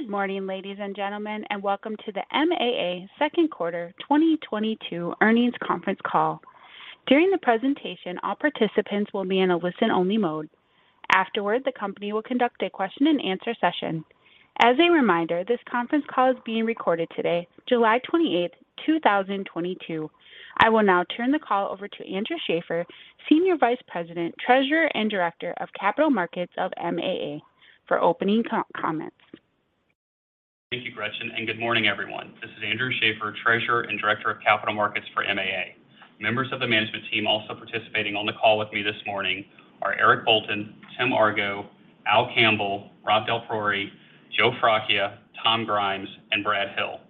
Good morning, ladies and gentlemen, and welcome to the MAA Second Quarter 2022 Earnings Conference Call. During the presentation, all participants will be in a listen-only mode. Afterward, the company will conduct a question-and-answer session. As a reminder, this conference call is being recorded today, July 28, 2022. I will now turn the call over to Andrew Schaeffer, Senior Vice President, Treasurer, and Director of Capital Markets of MAA for opening comments. Thank you, Gretchen, and good morning, everyone. This is Andrew Schaeffer, Treasurer and Director of Capital Markets for MAA. Members of the management team also participating on the call with me this morning are Eric Bolton, Tim Argo, Al Campbell, Rob DelPriore, Joe Fracchia, Tom Grimes, and Brad Hill.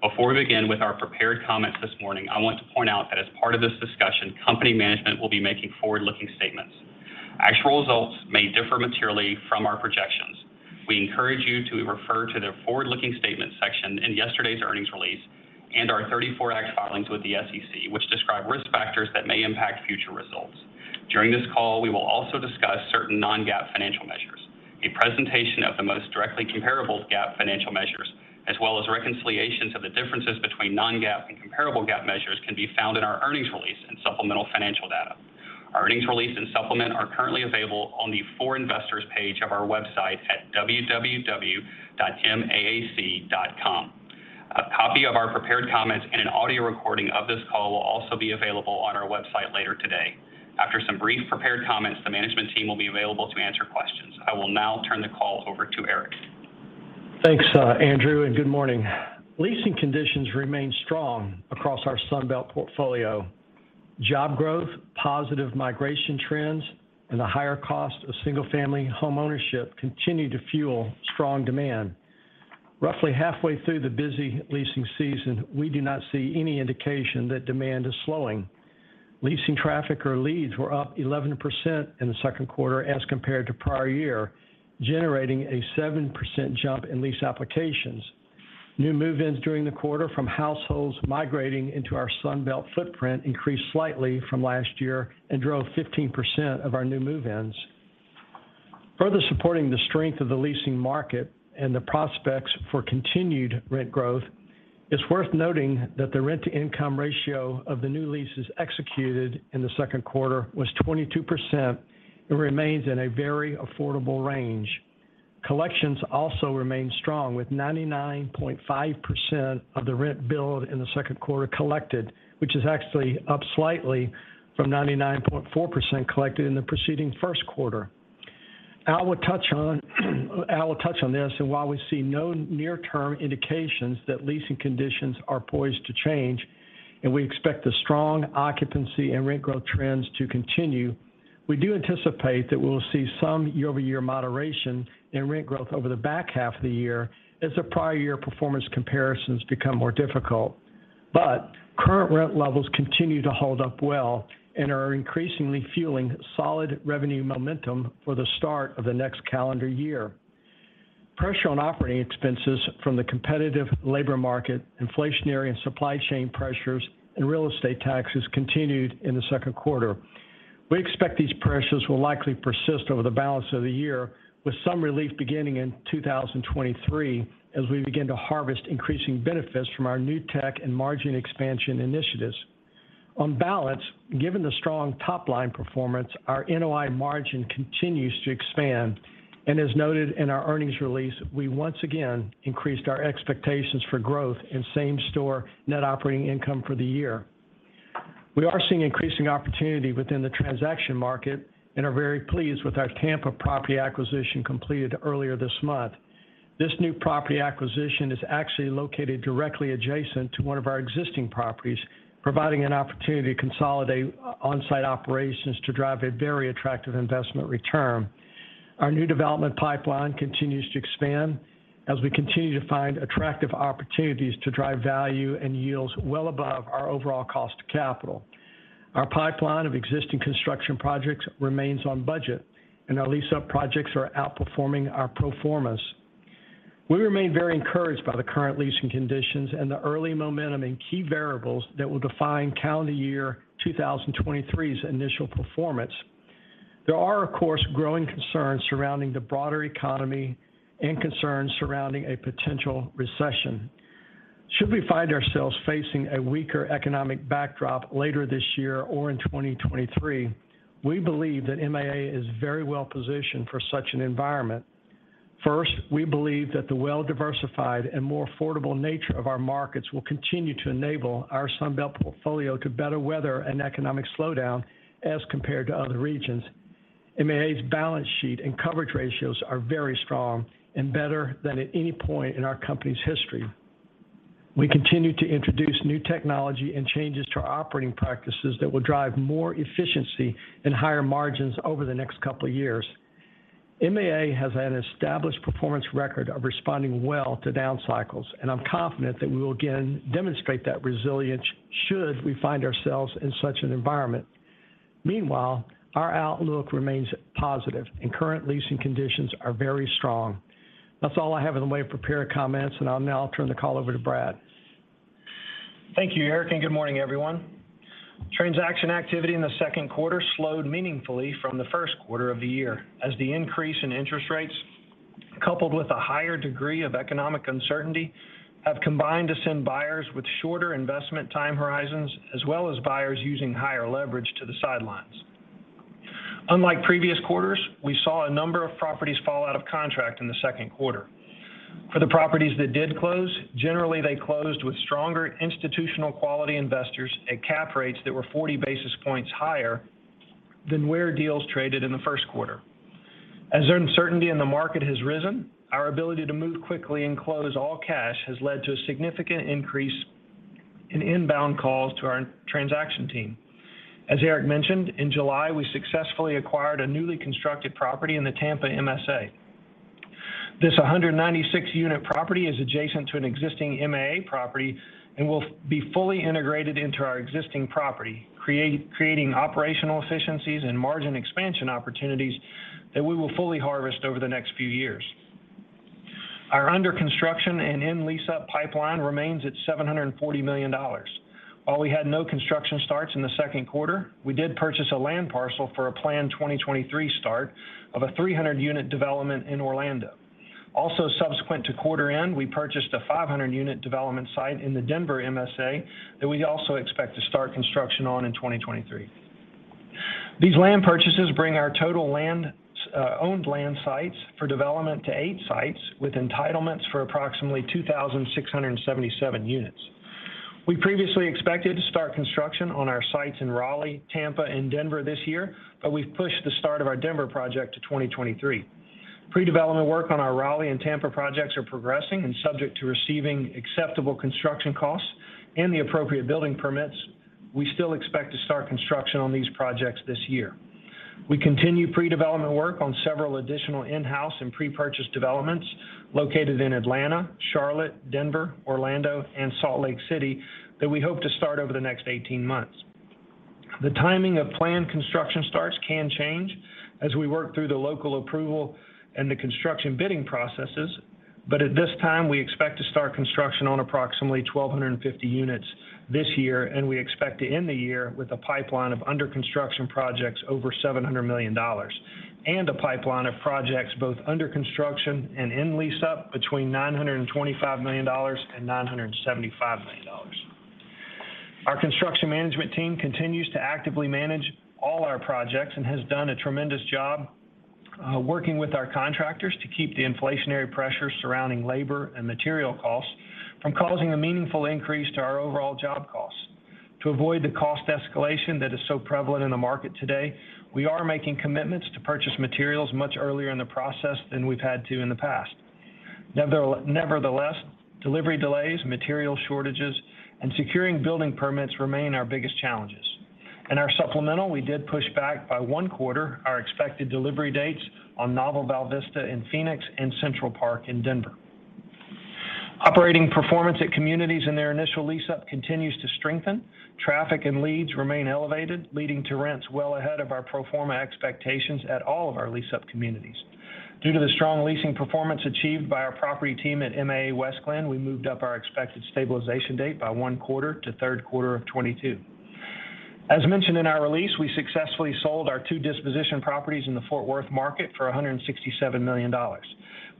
Before we begin with our prepared comments this morning, I want to point out that as part of this discussion, company management will be making forward-looking statements. Actual results may differ materially from our projections. We encourage you to refer to the Forward-Looking Statement section in yesterday's earnings release and our 1934 Act filings with the SEC, which describe risk factors that may impact future results. During this call, we will also discuss certain non-GAAP financial measures. A presentation of the most directly comparable GAAP financial measures, as well as reconciliations of the differences between non-GAAP and comparable GAAP measures can be found in our earnings release and supplemental financial data. Our earnings release and supplement are currently available on the For Investors page of our website at www.maac.com. A copy of our prepared comments and an audio recording of this call will also be available on our website later today. After some brief prepared comments, the management team will be available to answer questions. I will now turn the call over to Eric. Thanks, Andrew, and good morning. Leasing conditions remain strong across our Sunbelt portfolio. Job growth, positive migration trends, and the higher cost of single-family homeownership continue to fuel strong demand. Roughly halfway through the busy leasing season, we do not see any indication that demand is slowing. Leasing traffic or leads were up 11% in the second quarter as compared to prior year, generating a 7% jump in lease applications. New move-ins during the quarter from households migrating into our Sunbelt footprint increased slightly from last year and drove 15% of our new move-ins. Further supporting the strength of the leasing market and the prospects for continued rent growth, it's worth noting that the rent-to-income ratio of the new leases executed in the second quarter was 22% and remains in a very affordable range. Collections also remain strong with 99.5% of the rent billed in the second quarter collected, which is actually up slightly from 99.4% collected in the preceding first quarter. Al will touch on this, and while we see no near-term indications that leasing conditions are poised to change, and we expect the strong occupancy and rent growth trends to continue, we do anticipate that we will see some year-over-year moderation in rent growth over the back half of the year as the prior year performance comparisons become more difficult. Current rent levels continue to hold up well and are increasingly fueling solid revenue momentum for the start of the next calendar year. Pressure on operating expenses from the competitive labor market, inflationary and supply chain pressures, and real estate taxes continued in the second quarter. We expect these pressures will likely persist over the balance of the year, with some relief beginning in 2023 as we begin to harvest increasing benefits from our new tech and margin expansion initiatives. On balance, given the strong top-line performance, our NOI margin continues to expand. As noted in our earnings release, we once again increased our expectations for growth in same-store net operating income for the year. We are seeing increasing opportunity within the transaction market and are very pleased with our Tampa property acquisition completed earlier this month. This new property acquisition is actually located directly adjacent to one of our existing properties, providing an opportunity to consolidate onsite operations to drive a very attractive investment return. Our new development pipeline continues to expand as we continue to find attractive opportunities to drive value and yields well above our overall cost of capital. Our pipeline of existing construction projects remains on budget, and our lease-up projects are outperforming our pro formas. We remain very encouraged by the current leasing conditions and the early momentum in key variables that will define calendar year 2023's initial performance. There are, of course, growing concerns surrounding the broader economy and concerns surrounding a potential recession. Should we find ourselves facing a weaker economic backdrop later this year or in 2023, we believe that MAA is very well positioned for such an environment. First, we believe that the well-diversified and more affordable nature of our markets will continue to enable our Sunbelt portfolio to better weather an economic slowdown as compared to other regions. MAA's balance sheet and coverage ratios are very strong and better than at any point in our company's history. We continue to introduce new technology and changes to our operating practices that will drive more efficiency and higher margins over the next couple of years. MAA has an established performance record of responding well to down cycles, and I'm confident that we will again demonstrate that resilience should we find ourselves in such an environment. Meanwhile, our outlook remains positive, and current leasing conditions are very strong. That's all I have in the way of prepared comments, and I'll now turn the call over to Brad. Thank you, Eric, and good morning, everyone. Transaction activity in the second quarter slowed meaningfully from the first quarter of the year as the increase in interest rates, coupled with a higher degree of economic uncertainty, have combined to send buyers with shorter investment time horizons, as well as buyers using higher leverage to the sidelines. Unlike previous quarters, we saw a number of properties fall out of contract in the second quarter. For the properties that did close, generally, they closed with stronger institutional quality investors at cap rates that were 40 basis points higher than where deals traded in the first quarter. As uncertainty in the market has risen, our ability to move quickly and close all cash has led to a significant increase in inbound calls to our transaction team. As Eric mentioned, in July, we successfully acquired a newly constructed property in the Tampa MSA. This 196-unit property is adjacent to an existing MAA property and will be fully integrated into our existing property, creating operational efficiencies and margin expansion opportunities that we will fully harvest over the next few years. Our under construction and in lease-up pipeline remains at $740 million. While we had no construction starts in the second quarter, we did purchase a land parcel for a planned 2023 start of a 300-unit development in Orlando. Also, subsequent to quarter end, we purchased a 500-unit development site in the Denver MSA that we also expect to start construction on in 2023. These land purchases bring our total land, owned land sites for development to eight sites with entitlements for approximately 2,677 units. We previously expected to start construction on our sites in Raleigh, Tampa and Denver this year, but we've pushed the start of our Denver project to 2023. Pre-development work on our Raleigh and Tampa projects are progressing and subject to receiving acceptable construction costs and the appropriate building permits. We still expect to start construction on these projects this year. We continue pre-development work on several additional in-house and pre-purchase developments located in Atlanta, Charlotte, Denver, Orlando and Salt Lake City that we hope to start over the next 18 months. The timing of planned construction starts can change as we work through the local approval and the construction bidding processes. At this time, we expect to start construction on approximately 1,250 units this year, and we expect to end the year with a pipeline of under construction projects over $700 million. A pipeline of projects both under construction and in lease up between $925 million and $975 million. Our construction management team continues to actively manage all our projects and has done a tremendous job, working with our contractors to keep the inflationary pressure surrounding labor and material costs from causing a meaningful increase to our overall job costs. To avoid the cost escalation that is so prevalent in the market today, we are making commitments to purchase materials much earlier in the process than we've had to in the past. Nevertheless, delivery delays, material shortages, and securing building permits remain our biggest challenges. In our supplemental, we did push back by one quarter our expected delivery dates on NOVEL Val Vista in Phoenix and MAA Central Park in Denver. Operating performance at communities in their initial lease up continues to strengthen. Traffic and leads remain elevated, leading to rents well ahead of our pro forma expectations at all of our lease-up communities. Due to the strong leasing performance achieved by our property team at MAA Westglenn, we moved up our expected stabilization date by one quarter to third quarter of 2022. As mentioned in our release, we successfully sold our two disposition properties in the Fort Worth market for $167 million.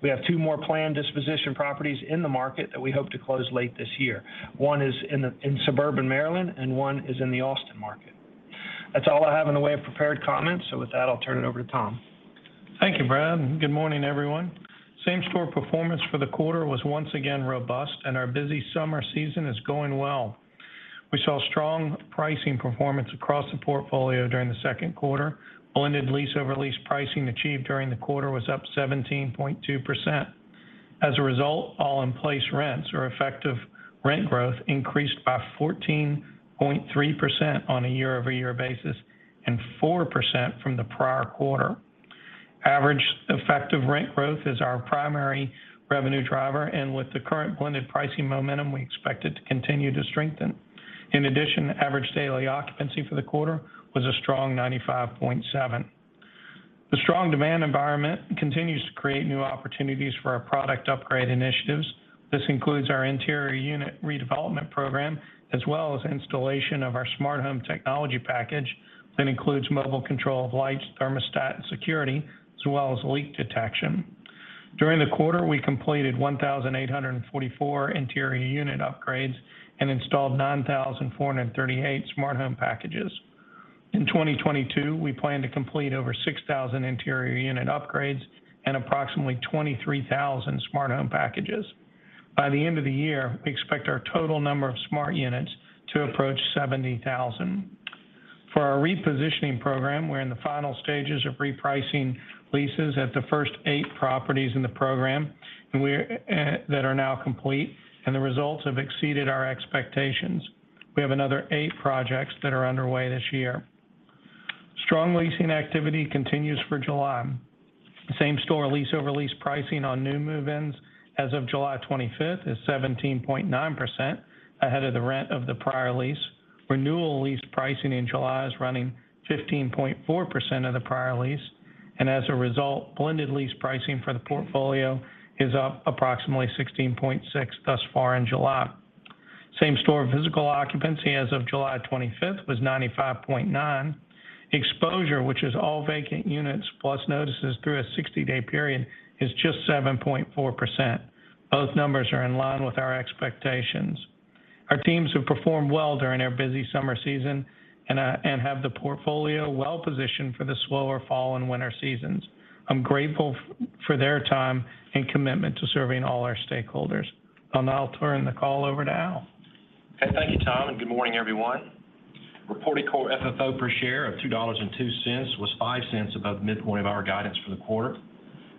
We have two more planned disposition properties in the market that we hope to close late this year. One is in suburban Maryland and one is in the Austin market. That's all I have in the way of prepared comments. With that, I'll turn it over to Tom. Thank you, Brad, and good morning, everyone. Same store performance for the quarter was once again robust, and our busy summer season is going well. We saw strong pricing performance across the portfolio during the second quarter. Blended lease over lease pricing achieved during the quarter was up 17.2%. As a result, all in-place rents or effective rent growth increased by 14.3% on a year-over-year basis and 4% from the prior quarter. Average effective rent growth is our primary revenue driver, and with the current blended pricing momentum, we expect it to continue to strengthen. In addition, average daily occupancy for the quarter was a strong 95.7%. The strong demand environment continues to create new opportunities for our product upgrade initiatives. This includes our interior unit redevelopment program, as well as installation of our smart home technology package that includes mobile control of lights, thermostat and security, as well as leak detection. During the quarter, we completed 1,844 interior unit upgrades and installed 9,438 smart home packages. In 2022, we plan to complete over 6,000 interior unit upgrades and approximately 23,000 smart home packages. By the end of the year, we expect our total number of smart units to approach 70,000. For our repositioning program, we're in the final stages of repricing leases at the first eight properties in the program, and that are now complete, and the results have exceeded our expectations. We have another eight projects that are underway this year. Strong leasing activity continues for July. Same store lease over lease pricing on new move-ins as of July 25th is 17.9% ahead of the rent of the prior lease. Renewal lease pricing in July is running 15.4% of the prior lease. As a result, blended lease pricing for the portfolio is up approximately 16.6% thus far in July. Same store physical occupancy as of July 25th was 95.9%. Exposure, which is all vacant units plus notices through a 60-day period, is just 7.4%. Both numbers are in line with our expectations. Our teams have performed well during our busy summer season and have the portfolio well-positioned for the slower fall and winter seasons. I'm grateful for their time and commitment to serving all our stakeholders. I'll now turn the call over to Al. Hey, thank you, Tom, and good morning, everyone. Reporting core FFO per share of $2.02 was $0.5 above midpoint of our guidance for the quarter.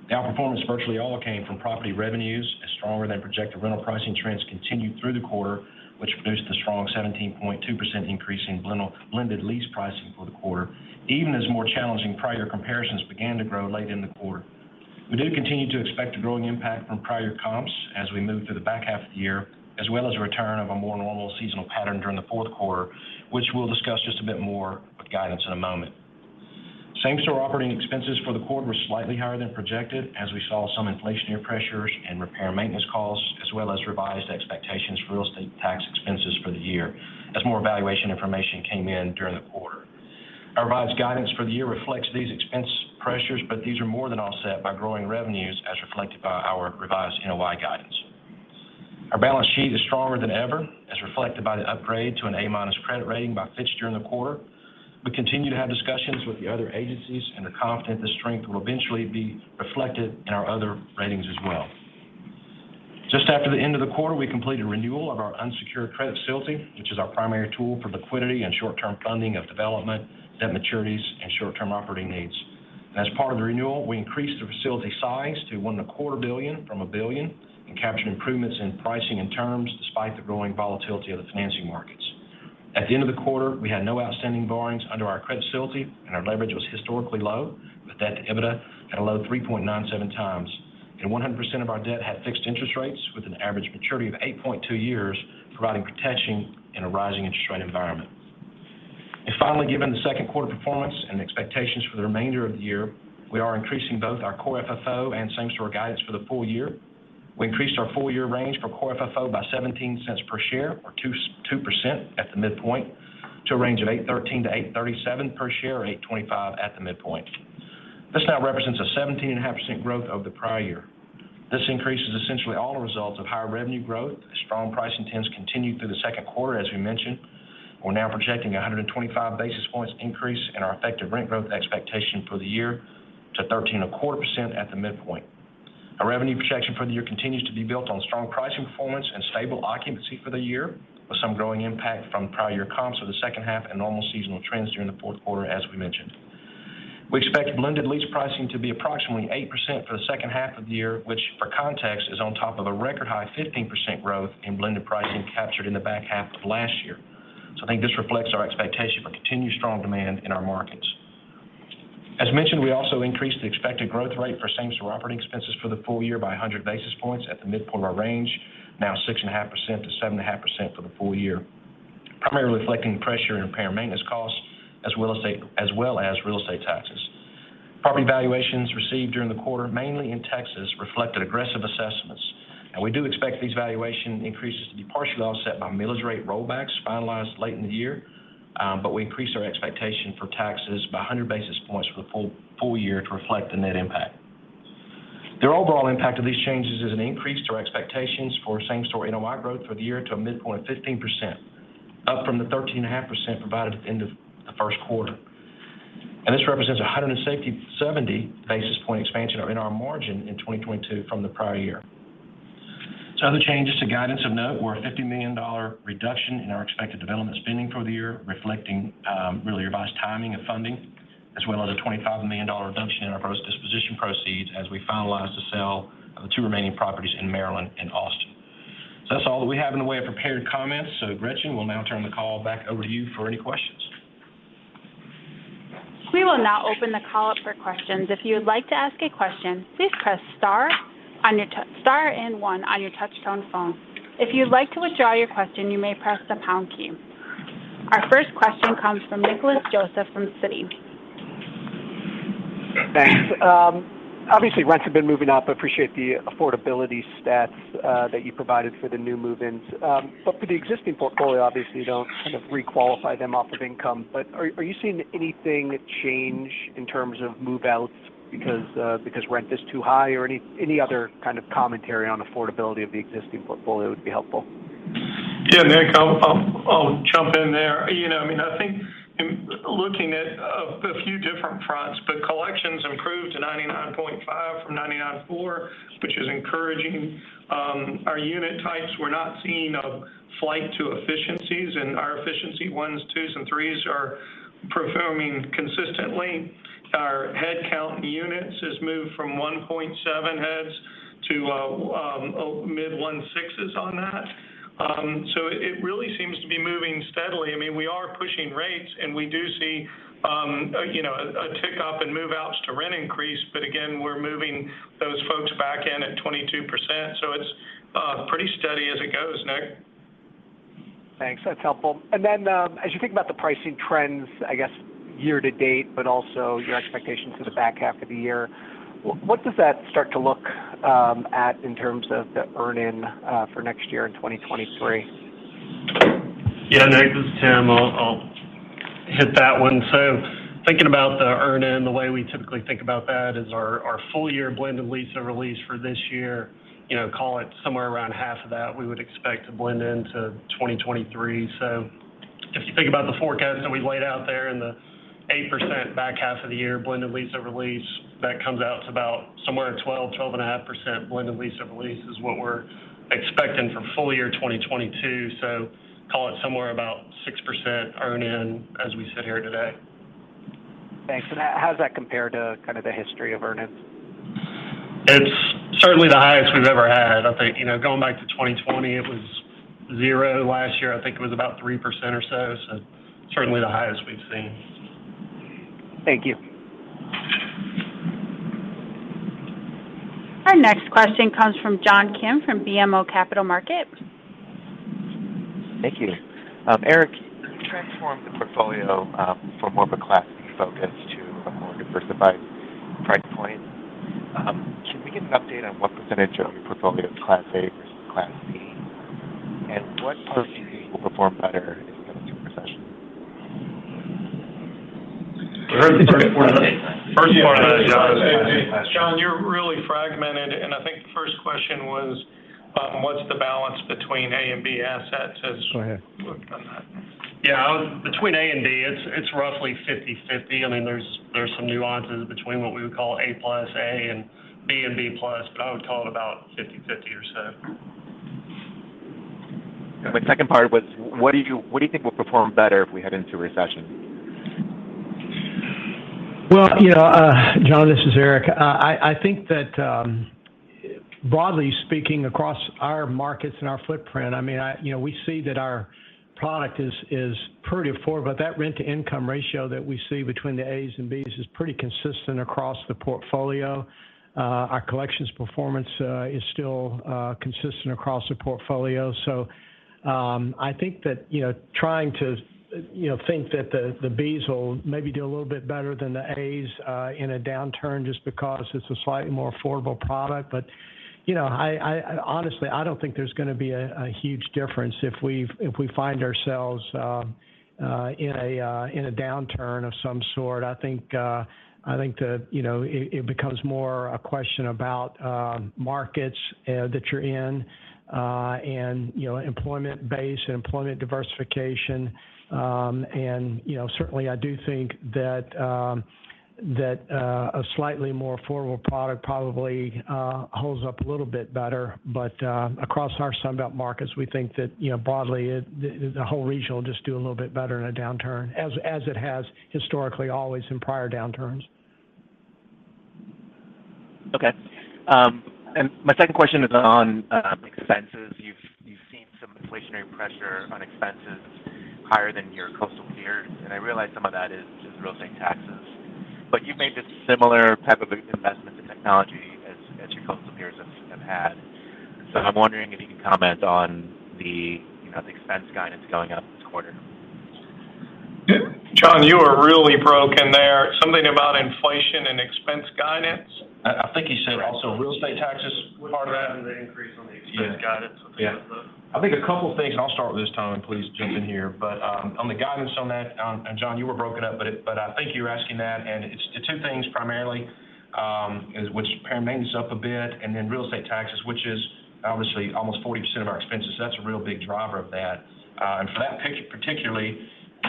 The outperformance virtually all came from property revenues as stronger-than-projected rental pricing trends continued through the quarter, which produced a strong 17.2% increase in blended lease pricing for the quarter, even as more challenging prior comparisons began to grow late in the quarter. We do continue to expect a growing impact from prior comps as we move through the back half of the year, as well as a return of a more normal seasonal pattern during the fourth quarter, which we'll discuss just a bit more with guidance in a moment. Same-store operating expenses for the quarter were slightly higher than projected as we saw some inflationary pressures in repair and maintenance costs, as well as revised expectations for real estate tax expenses for the year as more valuation information came in during the quarter. Our revised guidance for the year reflects these expense pressures, but these are more than offset by growing revenues as reflected by our revised NOI guidance. Our balance sheet is stronger than ever, as reflected by the upgrade to an A- credit rating by Fitch during the quarter. We continue to have discussions with the other agencies and are confident this strength will eventually be reflected in our other ratings as well. Just after the end of the quarter, we completed renewal of our unsecured credit facility, which is our primary tool for liquidity and short-term funding of development, debt maturities, and short-term operating needs. As part of the renewal, we increased the facility size to $1.25 billion from $1 billion, and captured improvements in pricing and terms despite the growing volatility of the financing markets. At the end of the quarter, we had no outstanding borrowings under our credit facility, and our leverage was historically low, with debt to EBITDA at a low 3.97x times. 100% of our debt had fixed interest rates with an average maturity of 8.2 years, providing protection in a rising interest rate environment. Finally, given the second quarter performance and the expectations for the remainder of the year, we are increasing both our core FFO and same store guidance for the full year. We increased our full year range for core FFO by $0.17 per share or 2% at the midpoint to a range of $8.13-$8.37 per share, or $8.25 at the midpoint. This now represents a 17.5% growth over the prior year. This increase is essentially all the result of higher revenue growth as strong pricing trends continued through the second quarter, as we mentioned. We're now projecting 125 basis points increase in our effective rent growth expectation for the year to 13.25% at the midpoint. Our revenue projection for the year continues to be built on strong pricing performance and stable occupancy for the year, with some growing impact from prior year comps for the second half and normal seasonal trends during the fourth quarter, as we mentioned. We expect blended lease pricing to be approximately 8% for the second half of the year, which, for context, is on top of a record high 15% growth in blended pricing captured in the back half of last year. I think this reflects our expectation for continued strong demand in our markets. As mentioned, we also increased the expected growth rate for same store operating expenses for the full year by 100 basis points at the midpoint of our range, now 6.5%-7.5% for the full year, primarily reflecting pressure in repair and maintenance costs as well as real estate taxes. Property valuations received during the quarter, mainly in Texas, reflected aggressive assessments, and we do expect these valuation increases to be partially offset by millage rate rollbacks finalized late in the year. We increased our expectation for taxes by 100 basis points for the full year to reflect the net impact. The overall impact of these changes is an increase to our expectations for same store NOI growth for the year to a midpoint of 15%, up from the 13.5% provided at the end of the first quarter. This represents a 170 basis point expansion in our margin in 2022 from the prior year. Some other changes to guidance of note were a $50 million reduction in our expected development spending for the year, reflecting really revised timing of funding, as well as a $25 million reduction in our gross disposition proceeds as we finalize the sale of the two remaining properties in Maryland and Austin. That's all that we have in the way of prepared comments. Gretchen, we'll now turn the call back over to you for any questions. We will now open the call up for questions. If you would like to ask a question, please press star and one on your touch-tone phone. If you'd like to withdraw your question, you may press the pound key. Our first question comes from Nicholas Joseph from Citi. Thanks. Obviously, rents have been moving up. Appreciate the affordability stats that you provided for the new move-ins. For the existing portfolio, obviously, you don't kind of re-qualify them off of income. Are you seeing anything change in terms of move-outs because rent is too high? Any other kind of commentary on affordability of the existing portfolio would be helpful. Yeah, Nick, I'll jump in there. You know, I mean, I think in looking at a few different fronts, collections improved to 99.5% from 99.4%, which is encouraging. Our unit types, we're not seeing a flight to efficiencies, and our efficiency ones, twos, and threes are performing consistently. Our headcount units has moved from 1.7 heads to mid-1.6s on that. It really seems to be moving steadily. I mean, we are pushing rates, and we do see you know, a tick-up in move-outs to rent increase. That's helpful. Then, as you think about the pricing trends, I guess year-to-date, but also your expectations for the back half of the year, what does that start to look at in terms of the earnings for next year in 2023? Yeah, Nick, this is Tim. I'll hit that one. Thinking about the earn-in, the way we typically think about that is our full year blended lease-over-lease for this year, you know, call it somewhere around half of that, we would expect to blend into 2023. If you think about the forecast that we laid out there in the 8% back half of the year blended lease-over-lease, that comes out to about somewhere 12%-12.5% blended lease-over-lease is what we're expecting for full year 2022. Call it somewhere about 6% earn-in as we sit here today. Thanks. How does that compare to kind of the history of earn-ins? It's certainly the highest we've ever had. I think, you know, going back to 2020, it was 0%. Last year, I think it was about 3% or so. Certainly the highest we've seen. Thank you. Our next question comes from John Kim from BMO Capital Markets. Thank you. Eric, you transformed the portfolio from more of a Class B focus to a more diversified price point. Can we get an update on what percentage of your portfolio is Class A versus Class B? What part do you think will perform better if we head into a recession? First part. John, you're really fragmented, and I think the first question was, what's the balance between A and B assets. Go ahead. We've done that. Yeah. Between A and B, it's roughly 50/50. I mean, there's some nuances between what we would call A plus A, and B and B plus, but I would call it about 50/50 or so. The second part was, what do you think will perform better if we head into a recession? Well, you know, John, this is Eric. I think that broadly speaking, across our markets and our footprint, I mean, you know, we see that our product is pretty affordable. That rent-to-income ratio that we see between the A's and B's is pretty consistent across the portfolio. Our collections performance is still consistent across the portfolio. I think that, you know, trying to think that the B's will maybe do a little bit better than the A's in a downturn just because it's a slightly more affordable product. But, you know, I honestly don't think there's gonna be a huge difference if we find ourselves in a downturn of some sort. I think the. You know, it becomes more a question about markets that you're in, and you know, employment base and employment diversification. You know, certainly I do think that a slightly more affordable product probably holds up a little bit better. Across our Sunbelt markets, we think that, you know, broadly, the whole region will just do a little bit better in a downturn, as it has historically always in prior downturns. Okay. My second question is on expenses. You've seen some inflationary pressure on expenses higher than your coastal peers, and I realize some of that is just real estate taxes. You've made a similar type of investment in technology as your coastal peers have had. I'm wondering if you can comment on the, you know, the expense guidance going up this quarter. John, you were really broken there. Something about inflation and expense guidance. I think he said also real estate taxes was part of that. What part of the increase on the expense guidance was that? Yeah. I think a couple things, and I'll start with this, Tom, and please jump in here. On the guidance on that, and John, you were broken up, but I think you were asking that, and it's the two things primarily, is, which repair and maintenance is up a bit, and then real estate taxes, which is obviously almost 40% of our expenses. That's a real big driver of that. For that particularly,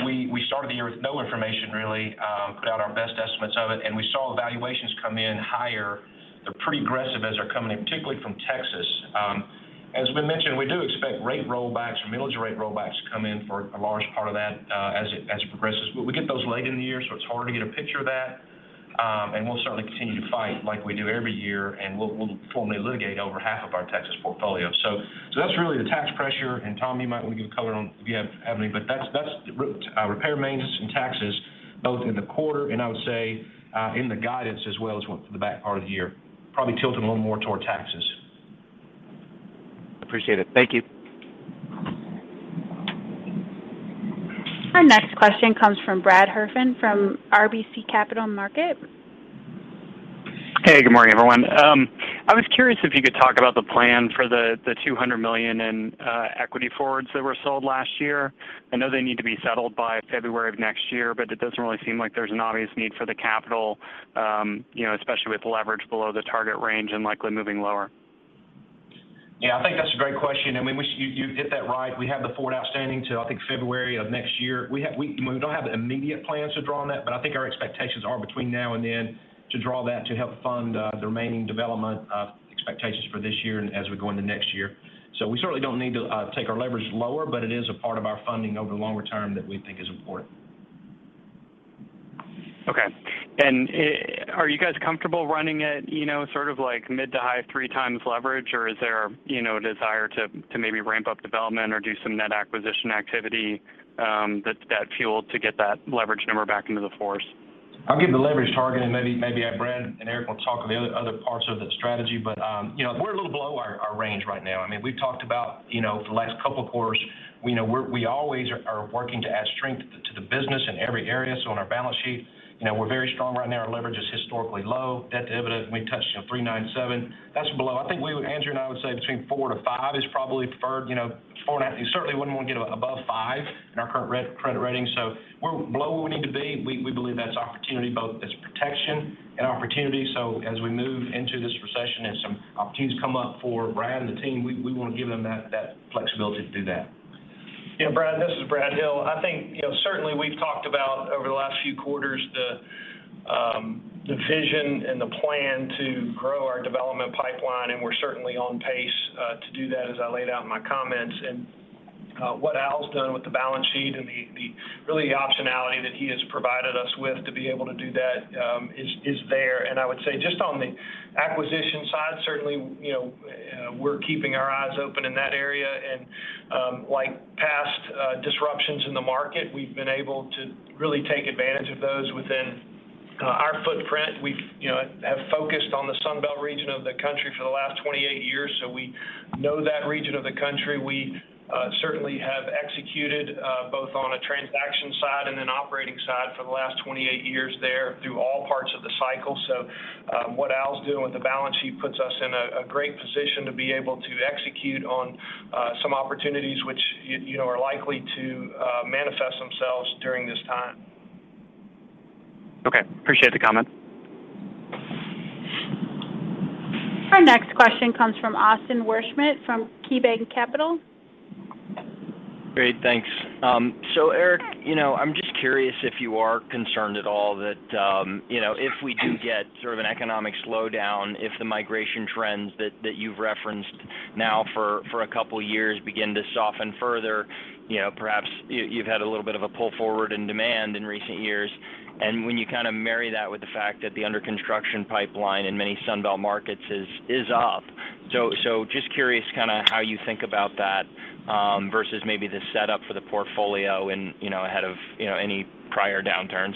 we started the year with no information really, put out our best estimates of it, and we saw valuations come in higher. They're pretty aggressive as they're coming in, particularly from Texas. As we mentioned, we do expect rate rollbacks or millage rate rollbacks to come in for a large part of that, as it progresses. We get those late in the year, so it's hard to get a picture of that. We'll certainly continue to fight like we do every year, and we'll formally litigate over half of our Texas portfolio. That's really the tax pressure, and Tom, you might want to give color on if you have any. That's repair, maintenance, and taxes both in the quarter and I would say in the guidance as well as the back part of the year, probably tilting a little more toward taxes. Appreciate it. Thank you. Our next question comes from Brad Heffern from RBC Capital Markets. Hey, good morning, everyone. I was curious if you could talk about the plan for the $200 million in equity forwards that were sold last year. I know they need to be settled by February of next year, but it doesn't really seem like there's an obvious need for the capital, you know, especially with leverage below the target range and likely moving lower. Yeah, I think that's a great question. I mean, you hit that right. We have the forward outstanding till, I think, February of next year. We don't have immediate plans to draw on that, but I think our expectations are between now and then to draw that to help fund the remaining development expectations for this year and as we go into next year. We certainly don't need to take our leverage lower, but it is a part of our funding over the longer term that we think is important. Are you guys comfortable running at, you know, sort of like mid- to high 3x leverage, or is there, you know, a desire to maybe ramp up development or do some net acquisition activity that fuels to get that leverage number back into the 4x? I'll give the leverage target, and maybe Brad and Eric will talk on the other parts of the strategy. You know, we're a little below our range right now. I mean, we've talked about, you know, for the last couple of quarters, we always are working to add strength to the business in every area. On our balance sheet, you know, we're very strong right now. Our leverage is historically low. Debt to EBITDA, we touched, you know, 3.97x. That's below. I think Andrew and I would say between 4x-5x is probably preferred. You certainly wouldn't want to get above 5x in our current credit rating. We're below where we need to be. We believe that's opportunity both as protection and opportunity. As we move into this recession and some opportunities come up for Brad and the team, we wanna give them that flexibility to do that. Yeah, Brad, this is Brad Hill. I think, you know, certainly we've talked about over the last few quarters the vision and the plan to grow our development pipeline, and we're certainly on pace to do that as I laid out in my comments. What Al's done with the balance sheet and the really optionality that he has provided us with to be able to do that is there. I would say just on the acquisition side, certainly, you know, we're keeping our eyes open in that area. Like past disruptions in the market, we've been able to really take advantage of those within our footprint. We've, you know, have focused on the Sun Belt region of the country for the last 28 years, so we know that region of the country. We certainly have executed both on a transaction side and an operating side for the last 28 years there through all parts of the cycle. What Al's doing with the balance sheet puts us in a great position to be able to execute on some opportunities which you know, are likely to manifest themselves during this time. Okay. Appreciate the comment. Our next question comes from Austin Wurschmidt from KeyBanc Capital. Great. Thanks. Eric, you know, I'm just curious if you are concerned at all that, you know, if we do get sort of an economic slowdown, if the migration trends that you've referenced now for a couple of years begin to soften further, you know, perhaps you've had a little bit of a pull forward in demand in recent years. When you kind of marry that with the fact that the under construction pipeline in many Sun Belt markets is up. Just curious kind of how you think about that, versus maybe the setup for the portfolio and, you know, ahead of any prior downturns.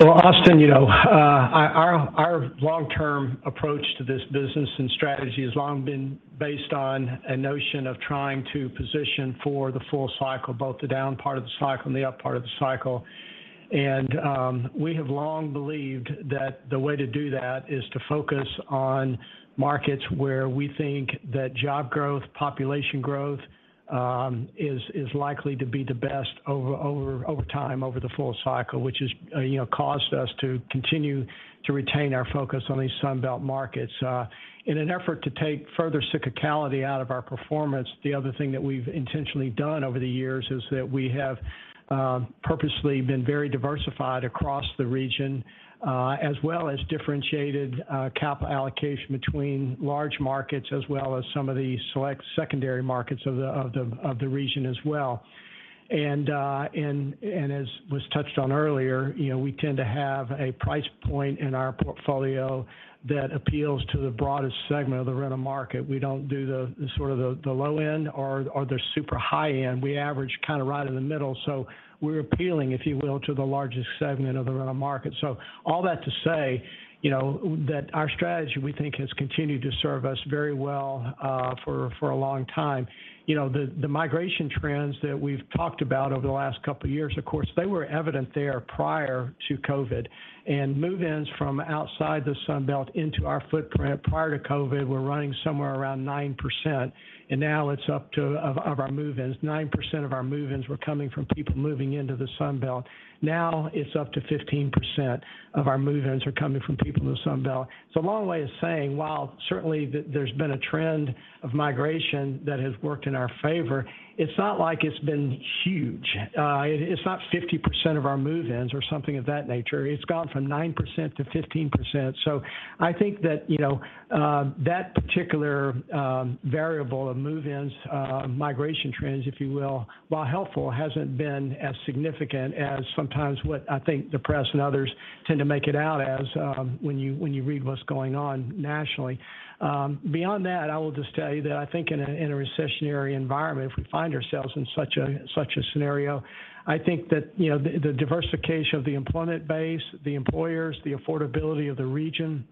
Well, Austin, you know, our long-term approach to this business and strategy has long been based on a notion of trying to position for the full cycle, both the down part of the cycle and the up part of the cycle. We have long believed that the way to do that is to focus on markets where we think that job growth, population growth, is likely to be the best over time, over the full cycle, which has, you know, caused us to continue to retain our focus on these Sun Belt markets. In an effort to take further cyclicality out of our performance, the other thing that we've intentionally done over the years is that we have purposely been very diversified across the region as well as differentiated capital allocation between large markets as well as some of the select secondary markets of the region as well. As was touched on earlier, you know, we tend to have a price point in our portfolio that appeals to the broadest segment of the rental market. We don't do the low end or the super high end. We average kind of right in the middle. We're appealing, if you will, to the largest segment of the rental market. All that to say, you know, that our strategy, we think has continued to serve us very well, for a long time. You know, the migration trends that we've talked about over the last couple of years, of course, they were evident there prior to COVID. Move-ins from outside the Sun Belt into our footprint prior to COVID were running somewhere around 9%, and now it's up to 15%. Of our move-ins, 9% of our move-ins were coming from people moving into the Sun Belt. Now 15% of our move-ins are coming from people in the Sun Belt. A long way of saying, while certainly there's been a trend of migration that has worked in our favor, it's not like it's been huge. It's not 50% of our move-ins or something of that nature. It's gone from 9%-15%. I think that, you know, that particular variable of move-ins, migration trends, if you will, while helpful, hasn't been as significant as sometimes what I think the press and others tend to make it out as, when you read what's going on nationally. Beyond that, I will just tell you that I think in a recessionary environment, if we find ourselves in such a scenario, I think that, you know, the diversification of the employment base, the employers, the affordability of the region,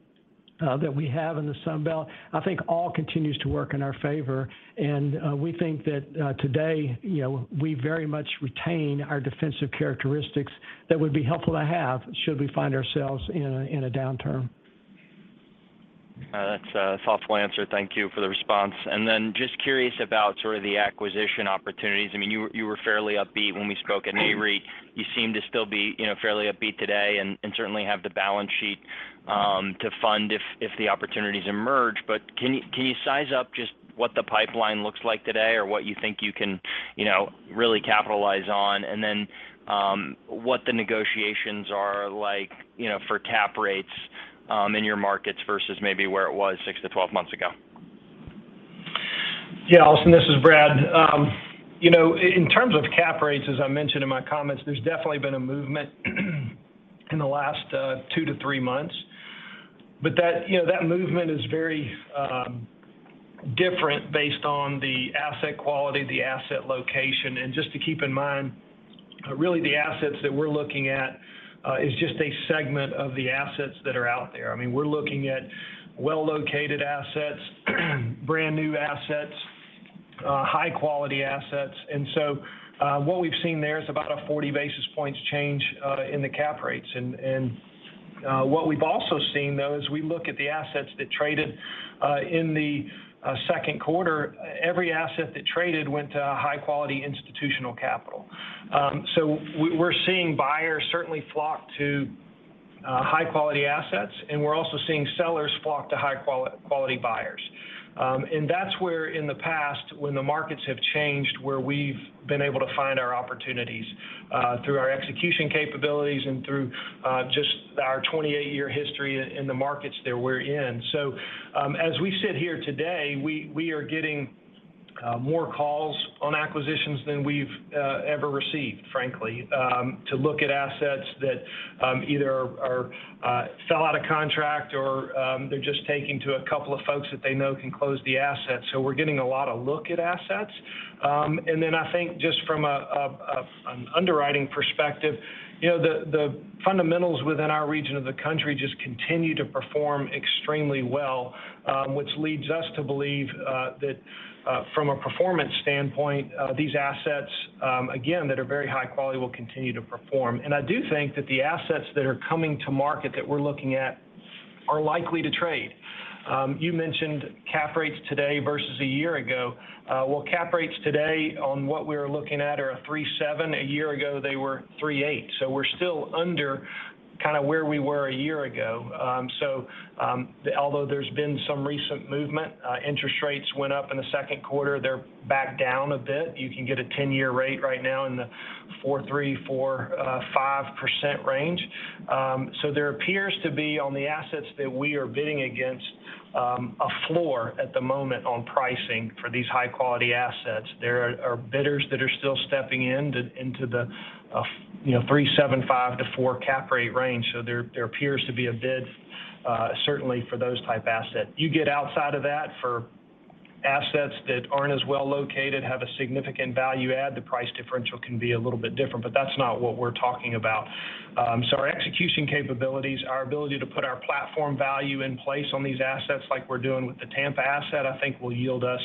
that we have in the Sun Belt, I think all continues to work in our favor. We think that today, you know, we very much retain our defensive characteristics that would be helpful to have should we find ourselves in a downturn. That's a thoughtful answer. Thank you for the response. Just curious about sort of the acquisition opportunities. I mean, you were fairly upbeat when we spoke at Nareit. You seem to still be, you know, fairly upbeat today and certainly have the balance sheet to fund if the opportunities emerge. Can you size up just what the pipeline looks like today or what you think you can, you know, really capitalize on? What the negotiations are like, you know, for cap rates in your markets versus maybe where it was six-12 months ago? Yeah, Austin, this is Brad. You know, in terms of cap rates, as I mentioned in my comments, there's definitely been a movement in the last two to three months. That, you know, that movement is very different based on the asset quality, the asset location. Just to keep in mind, really the assets that we're looking at is just a segment of the assets that are out there. I mean, we're looking at well-located assets, brand-new assets, high-quality assets. What we've seen there is about a 40 basis points change in the cap rates. What we've also seen, though, is we look at the assets that traded in the second quarter. Every asset that traded went to high-quality institutional capital. We're seeing buyers certainly flock to high-quality assets, and we're also seeing sellers flock to high-quality buyers. That's where in the past, when the markets have changed, where we've been able to find our opportunities through our execution capabilities and through just our 28-year history in the markets that we're in. As we sit here today, we are getting more calls on acquisitions than we've ever received, frankly, to look at assets that either fell out of contract or they're just talking to a couple of folks that they know can close the assets. We're getting a lot of looks at assets. I think just from an underwriting perspective, you know, the fundamentals within our region of the country just continue to perform extremely well, which leads us to believe that from a performance standpoint, these assets, again, that are very high quality, will continue to perform. I do think that the assets that are coming to market that we're looking at are likely to trade. You mentioned cap rates today versus a year ago. Well, cap rates today on what we're looking at are 3.7%. A year ago, they were 3.8%, so we're still under kind of where we were a year ago. Although there's been some recent movement, interest rates went up in the second quarter. They're back down a bit. You can get a 10-year rate right now in the 4.3%-4.5% range. There appears to be on the assets that we are bidding against a floor at the moment on pricing for these high-quality assets. There are bidders that are still stepping into the, you know, 3.75%-4% cap rate range. There appears to be a bid certainly for those type assets. You get outside of that for assets that aren't as well located, have a significant value add, the price differential can be a little bit different, but that's not what we're talking about. Our execution capabilities, our ability to put our platform value in place on these assets like we're doing with the Tampa asset, I think will yield us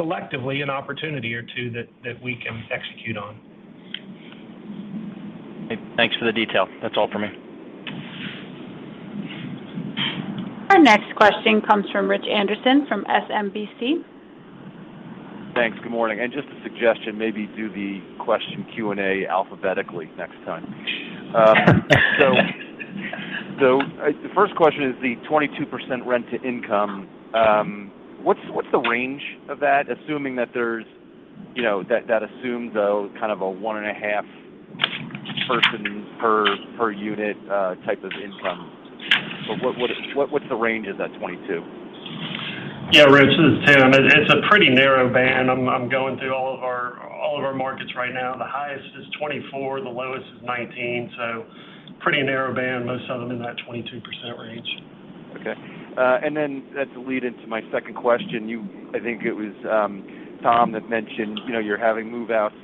selectively an opportunity or two that we can execute on. Thanks for the detail. That's all for me. Our next question comes from Rich Anderson from SMBC. Thanks. Good morning. Just a suggestion, maybe do the question Q&A alphabetically next time. The first question is the 22% rent-to-income. What's the range of that? Assuming that there's, you know, that assumes a kind of a 1.5 person per unit type of income. But what's the range of that 22? Yeah, Rich, this is Tim. It's a pretty narrow band. I'm going through all of our markets right now. The highest is 24%, the lowest is 19%, so pretty narrow band, most of them in that 22% range. Okay. Then that's a lead into my second question. I think it was Tom that mentioned, you know, you're having move-outs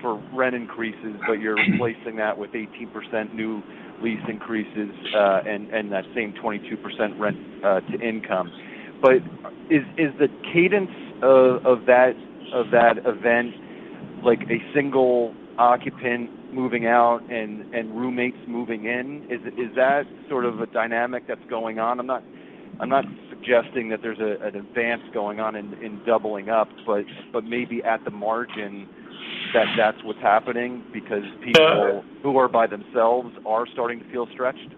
for rent increases, but you're replacing that with 18% new lease increases, and that same 22% rent to income. Is the cadence of that event like a single occupant moving out and roommates moving in? Is that sort of a dynamic that's going on? I'm not suggesting that there's an advance going on in doubling up, but maybe at the margin that's what's happening because people who are by themselves are starting to feel stretched.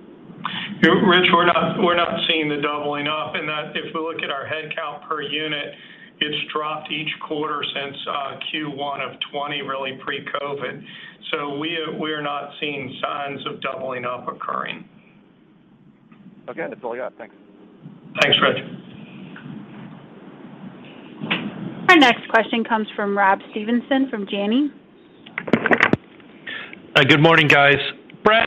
Rich, we're not seeing the doubling up in that. If we look at our headcount per unit, it's dropped each quarter since Q1 of 2020, really pre-COVID. We're not seeing signs of doubling up occurring. Okay. That's all I got. Thanks. Thanks, Rich. Our next question comes from Rob Stevenson from Janney. Hi. Good morning, guys. Brad,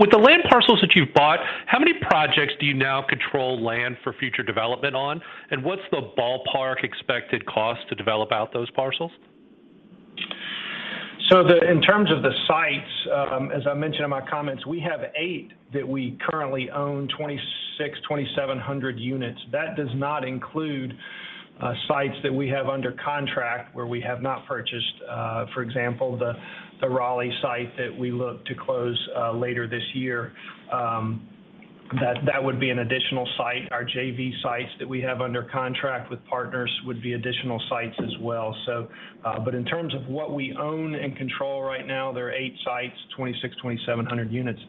with the land parcels that you've bought, how many projects do you now control land for future development on? What's the ballpark expected cost to develop out those parcels? In terms of the sites, as I mentioned in my comments, we have eight that we currently own, 2,600-2,700 units. That does not include sites that we have under contract where we have not purchased, for example, the Raleigh site that we look to close later this year. That would be an additional site. Our JV sites that we have under contract with partners would be additional sites as well. But in terms of what we own and control right now, there are eight sites, 2,600-2,700 units.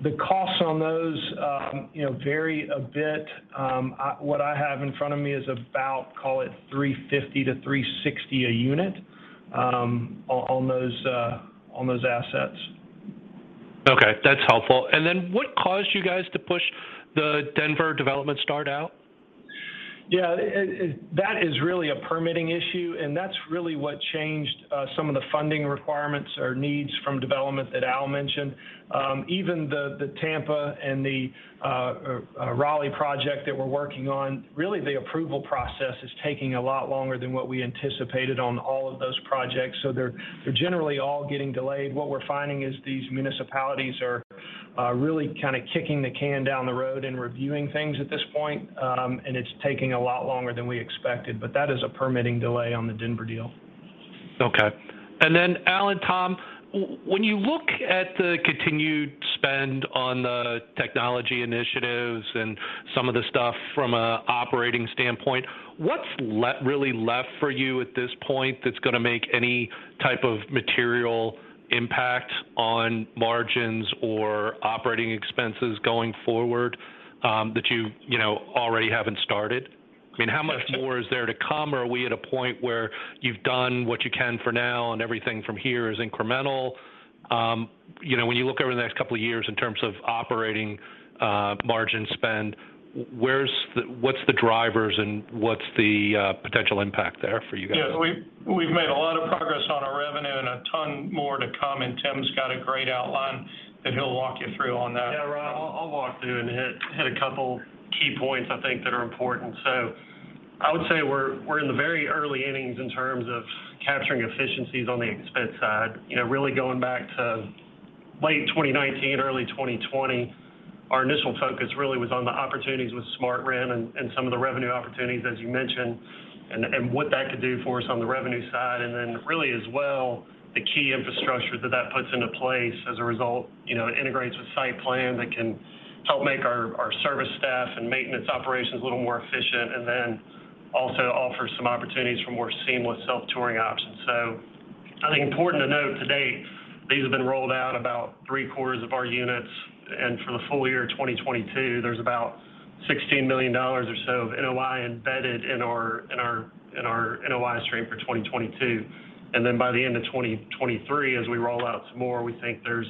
The costs on those, you know, vary a bit. What I have in front of me is about, call it $350-$360 a unit, on those assets. Okay, that's helpful. What caused you guys to push the Denver development start out? Yeah, that is really a permitting issue, and that's really what changed some of the funding requirements or needs from development that Al mentioned. Even the Tampa and the Raleigh project that we're working on, really the approval process is taking a lot longer than what we anticipated on all of those projects. They're generally all getting delayed. What we're finding is these municipalities are really kind of kicking the can down the road and reviewing things at this point, and it's taking a lot longer than we expected. That is a permitting delay on the Denver deal. Okay. Al and Tom, when you look at the continued spend on the technology initiatives and some of the stuff from an operating standpoint, what's really left for you at this point that's gonna make any type of material impact on margins or operating expenses going forward, that you know already haven't started? I mean, how much more is there to come, or are we at a point where you've done what you can for now and everything from here is incremental? You know, when you look over the next couple of years in terms of operating margin spend, where's the what's the drivers and what's the potential impact there for you guys? Yeah. We've made a lot of progress on our revenue and a ton more to come, and Tim's got a great outline that he'll walk you through on that. Yeah, Rob, I'll walk through and hit a couple key points I think that are important. I would say we're in the very early innings in terms of capturing efficiencies on the expense side. You know, really going back to late 2019, early 2020, our initial focus really was on the opportunities with SmartRent and some of the revenue opportunities, as you mentioned, and what that could do for us on the revenue side. Then really as well, the key infrastructure that that puts into place as a result. You know, it integrates with SightPlan that can help make our service staff and maintenance operations a little more efficient, and then also offers some opportunities for more seamless self-touring options. I think it's important to note, to date, these have been rolled out about three-quarters of our units. For the full year 2022, there's about $16 million or so of NOI embedded in our NOI stream for 2022. By the end of 2023, as we roll out some more, we think there's,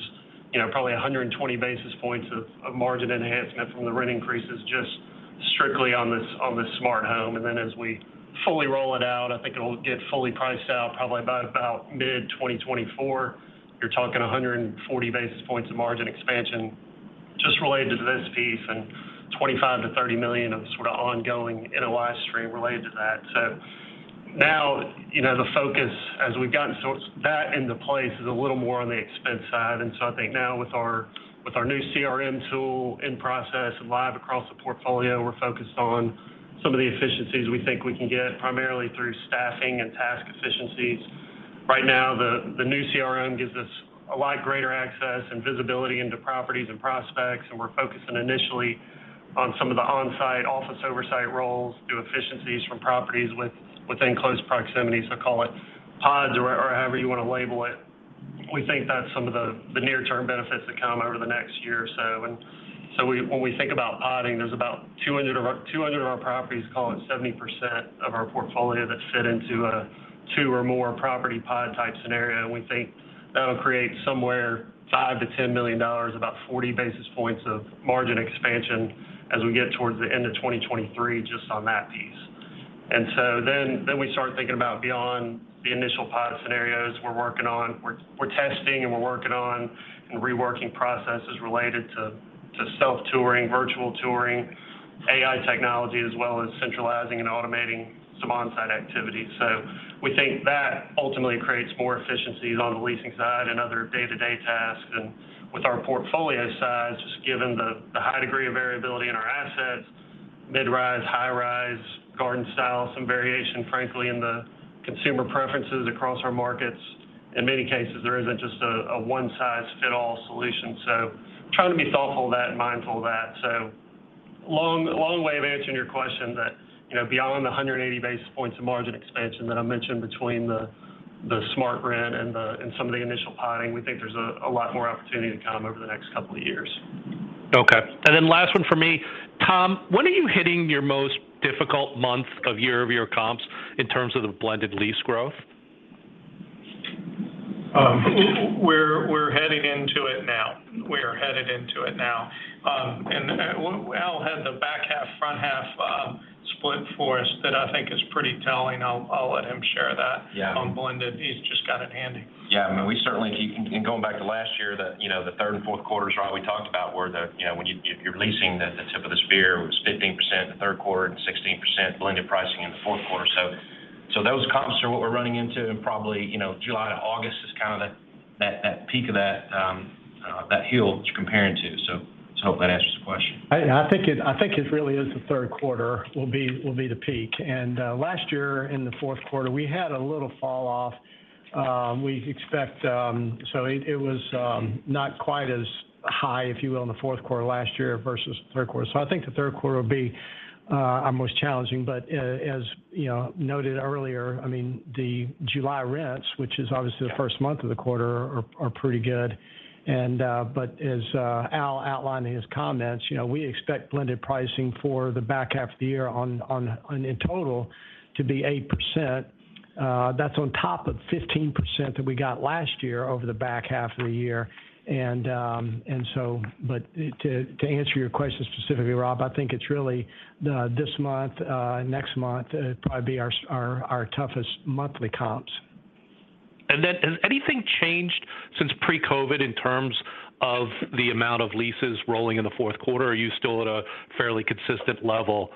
you know, probably 120 basis points of margin enhancement from the rent increases just strictly on this Smart Home. As we fully roll it out, I think it'll get fully priced out probably by about mid-2024. You're talking 140 basis points of margin expansion just related to this piece, and $25 million-$30 million of sort of ongoing NOI stream related to that. Now, you know, the focus, as we've gotten sort of that into place, is a little more on the expense side. I think now with our new CRM tool in process and live across the portfolio, we're focused on some of the efficiencies we think we can get, primarily through staffing and task efficiencies. Right now, the new CRM gives us a lot greater access and visibility into properties and prospects, and we're focusing initially on some of the on-site office oversight roles and efficiencies from properties within close proximity. Call it pods or however you wanna label it. We think that's some of the near-term benefits that come over the next year or so. When we think about podding, there's about 200 of our properties, call it 70% of our portfolio that fit into a two or more property pod type scenario. We think that'll create somewhere $5 million-$10 million, about 40 basis points of margin expansion as we get towards the end of 2023 just on that piece. We start thinking about beyond the initial pod scenarios we're working on. We're testing and we're working on and reworking processes related to self-touring, virtual touring, AI technology, as well as centralizing and automating some on-site activity. We think that ultimately creates more efficiencies on the leasing side and other day-to-day tasks. With our portfolio size, just given the high degree of variability in our assets, mid-rise, high-rise, garden style, some variation, frankly, in the consumer preferences across our markets, in many cases, there isn't just a one-size-fits-all solution. Trying to be thoughtful of that and mindful of that. Long, long way of answering your question that, you know, beyond the 180 basis points of margin expansion that I mentioned between the SmartRent and some of the initial padding, we think there's a lot more opportunity to come over the next couple of years. Okay. Last one from me. Tom, when are you hitting your most difficult month of year-over-year comps in terms of the blended lease growth? We're heading into it now. Al had the back half, front half split for us that I think is pretty telling. I'll let him share that. Yeah On blended. He's just got it handy. Yeah. I mean, we certainly keep going back to last year, you know, the third and fourth quarters, Rob, we talked about were the, you know, when you're leasing the tip of the spear was 15% the third quarter and 16% blended pricing in the fourth quarter. So those comps are what we're running into, and probably, you know, July to August is kind of that peak of that hill that you're comparing to. Let's hope that answers the question. I think it really is the third quarter will be the peak. Last year in the fourth quarter, we had a little fall off. It was not quite as high, if you will, in the fourth quarter last year versus the third quarter. I think the third quarter will be our most challenging. As noted earlier, you know, I mean, the July rents, which is obviously the first month of the quarter, are pretty good. As Al outlined in his comments, you know, we expect blended pricing for the back half of the year in total to be 8%. That's on top of 15% that we got last year over the back half of the year. To answer your question specifically, Rob, I think it's really this month, next month, probably our toughest monthly comps. Has anything changed since pre-COVID in terms of the amount of leases rolling in the fourth quarter? Are you still at a fairly consistent level,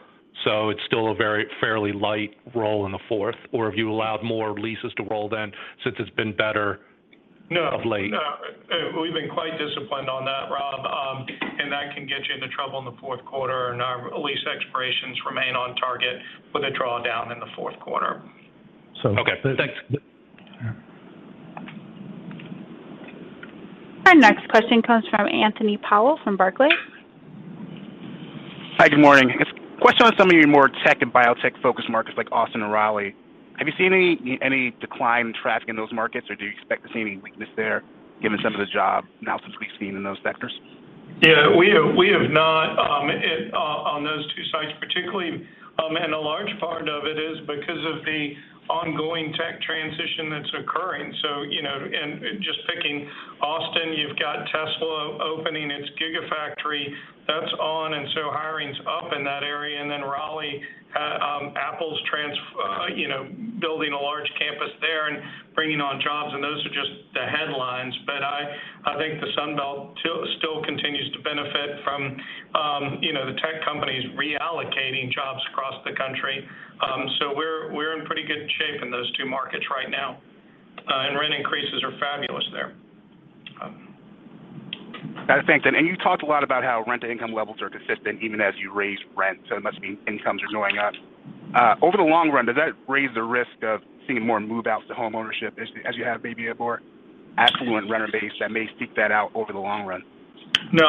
so it's still a very fairly light roll in the fourth? Or have you allowed more leases to roll then since it's been better? No of late? No. We've been quite disciplined on that, Rob, and that can get you into trouble in the fourth quarter, and our lease expirations remain on target with a drawdown in the fourth quarter. Okay. Thanks. Our next question comes from Anthony Powell from Barclays. Hi. Good morning. A question on some of your more tech and biotech-focused markets like Austin and Raleigh. Have you seen any declined traffic in those markets, or do you expect to see any weakness there given some of the job announcements we've seen in those sectors? Yeah. We have not on those two sites particularly. A large part of it is because of the ongoing tech transition that's occurring. You know, and just picking Austin, you've got Tesla opening its Gigafactory. That's one, and hiring's up in that area. Raleigh, Apple's you know, building a large campus there and bringing on jobs, and those are just the headlines. I think the Sun Belt still continues to benefit from, you know, the tech companies reallocating jobs across the country. We're in pretty good shape in those two markets right now. Rent increases are fabulous there. Thanks. You talked a lot about how rent-to-income levels are consistent even as you raise rent, so it must mean incomes are going up. Over the long run, does that raise the risk of seeing more move outs to homeownership as you have maybe a more affluent renter base that may seek that out over the long run? No.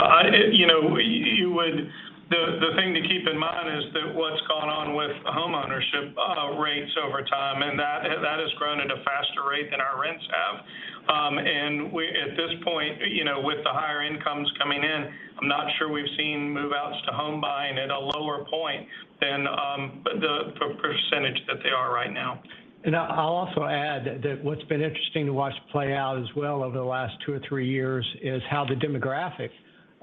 You know, the thing to keep in mind is that what's gone on with homeownership rates over time, and that has grown at a faster rate than our rents have. At this point, you know, with the higher incomes coming in, I'm not sure we've seen move-outs to home buying at a lower point than the percentage that they are right now. I'll also add that what's been interesting to watch play out as well over the last two or three years is how the demographic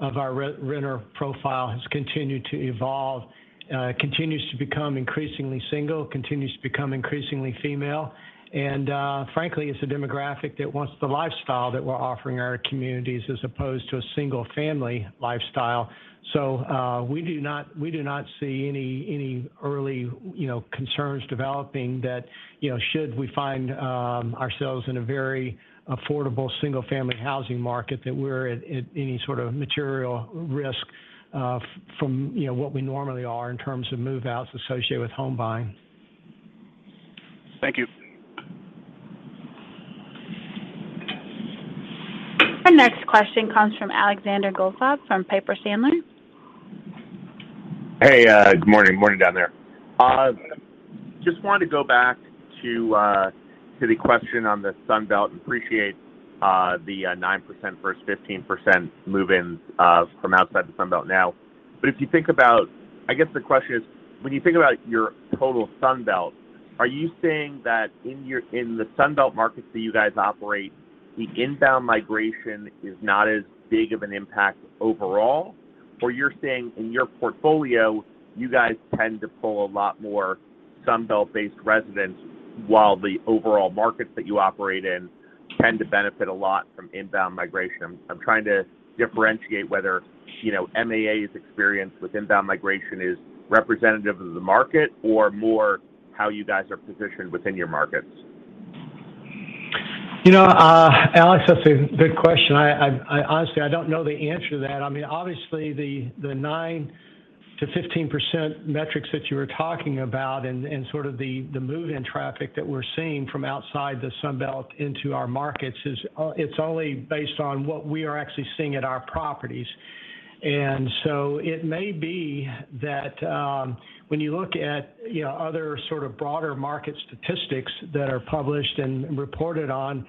of our re-renter profile has continued to evolve, continues to become increasingly single, continues to become increasingly female. Frankly, it's a demographic that wants the lifestyle that we're offering our communities as opposed to a single family lifestyle. We do not see any early, you know, concerns developing that, you know, should we find ourselves in a very affordable single-family housing market that we're at any sort of material risk, from, you know, what we normally are in terms of move-outs associated with home buying. Thank you. Our next question comes from Alexander Goldfarb from Piper Sandler. Hey, good morning. Morning down there. Just wanted to go back to the question on the Sun Belt. Appreciate the 9% versus 15% move-ins from outside the Sun Belt now. If you think about, I guess the question is, when you think about your total Sun Belt, are you saying that in the Sun Belt markets that you guys operate, the inbound migration is not as big of an impact overall? Or you're saying in your portfolio, you guys tend to pull a lot more Sun Belt-based residents while the overall markets that you operate in tend to benefit a lot from inbound migration? I'm trying to differentiate whether, you know, MAA's experience with inbound migration is representative of the market or more how you guys are positioned within your markets. You know, Alex, that's a good question. I honestly don't know the answer to that. I mean, obviously, the 9%-15% metrics that you were talking about and sort of the move-in traffic that we're seeing from outside the Sun Belt into our markets. It's only based on what we are actually seeing at our properties. It may be that when you look at, you know, other sort of broader market statistics that are published and reported on,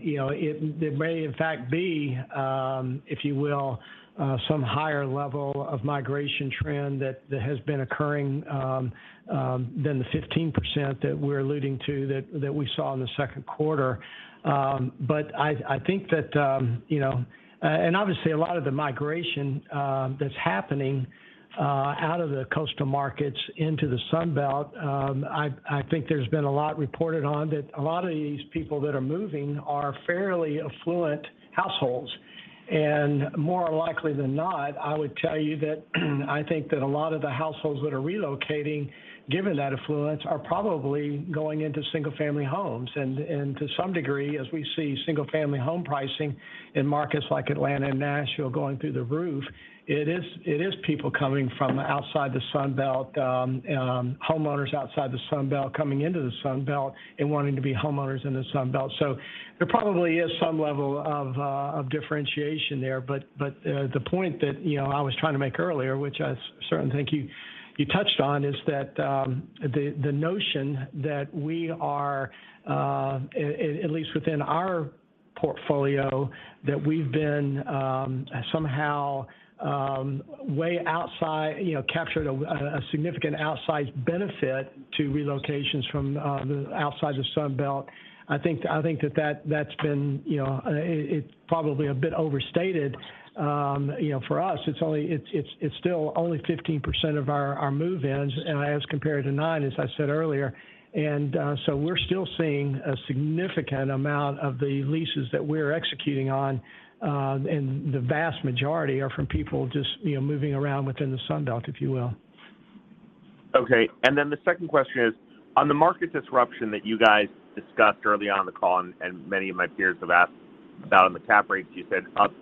you know, it may in fact be, if you will, some higher level of migration trend that has been occurring than the 15% that we're alluding to that we saw in the second quarter. I think that, you know... Obviously a lot of the migration that's happening out of the coastal markets into the Sun Belt. I think there's been a lot reported on that. A lot of these people that are moving are fairly affluent households. More likely than not, I would tell you that I think that a lot of the households that are relocating, given that affluence, are probably going into single-family homes. To some degree, as we see single-family home pricing in markets like Atlanta and Nashville going through the roof, it is people coming from outside the Sun Belt, homeowners outside the Sun Belt coming into the Sun Belt and wanting to be homeowners in the Sun Belt. There probably is some level of differentiation there. The point that, you know, I was trying to make earlier, which I certainly think you touched on, is that the notion that we are at least within our portfolio, that we've been somehow captured a significant outsized benefit from relocations from outside the Sun Belt, I think that that's been, you know. It's probably a bit overstated. You know, for us, it's still only 15% of our move-ins, and as compared to 9%, as I said earlier. We're still seeing a significant amount of the leases that we're executing on, and the vast majority are from people just, you know, moving around within the Sun Belt, if you will. Okay. The second question is, on the market disruption that you guys discussed early on in the call, and many of my peers have asked about on the cap rates, you said up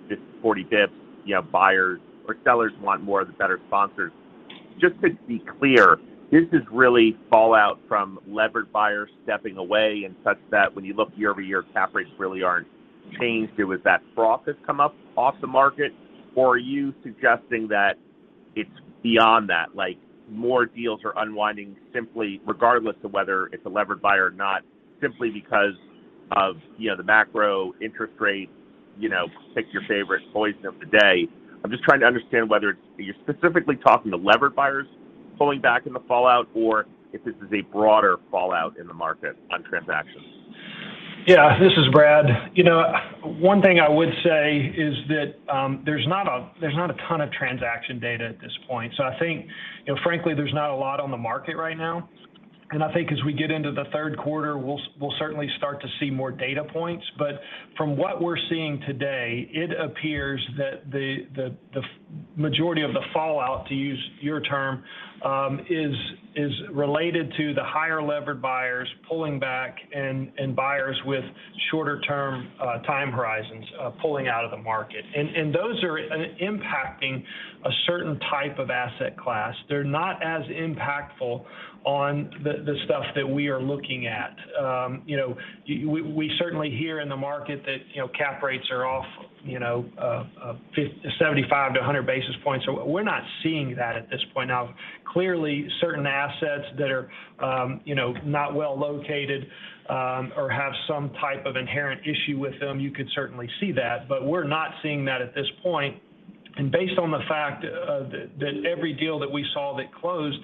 40 basis points, you know, buyers or sellers want more of the better sponsors. Just to be clear, this is really fallout from levered buyers stepping away and such that when you look year-over-year, cap rates really aren't changed. It was that froth has come up off the market, or are you suggesting that it's beyond that? Like, more deals are unwinding simply regardless of whether it's a levered buyer or not, simply because of, you know, the macro interest rates, you know, pick your favorite poison of the day. I'm just trying to understand whether you're specifically talking to levered buyers pulling back in the fallout or if this is a broader fallout in the market on transactions. Yeah. This is Brad. You know, one thing I would say is that there's not a ton of transaction data at this point. I think, you know, frankly, there's not a lot on the market right now. I think as we get into the third quarter, we'll certainly start to see more data points. From what we're seeing today, it appears that the majority of the fallout, to use your term, is related to the highly leveraged buyers pulling back and buyers with shorter term time horizons pulling out of the market. Those are impacting a certain type of asset class. They're not as impactful on the stuff that we are looking at. We certainly hear in the market that, you know, cap rates are off, you know, 75-100 basis points. We're not seeing that at this point. Now, clearly, certain assets that are not well located or have some type of inherent issue with them, you could certainly see that. We're not seeing that at this point. Based on the fact that every deal that we saw that closed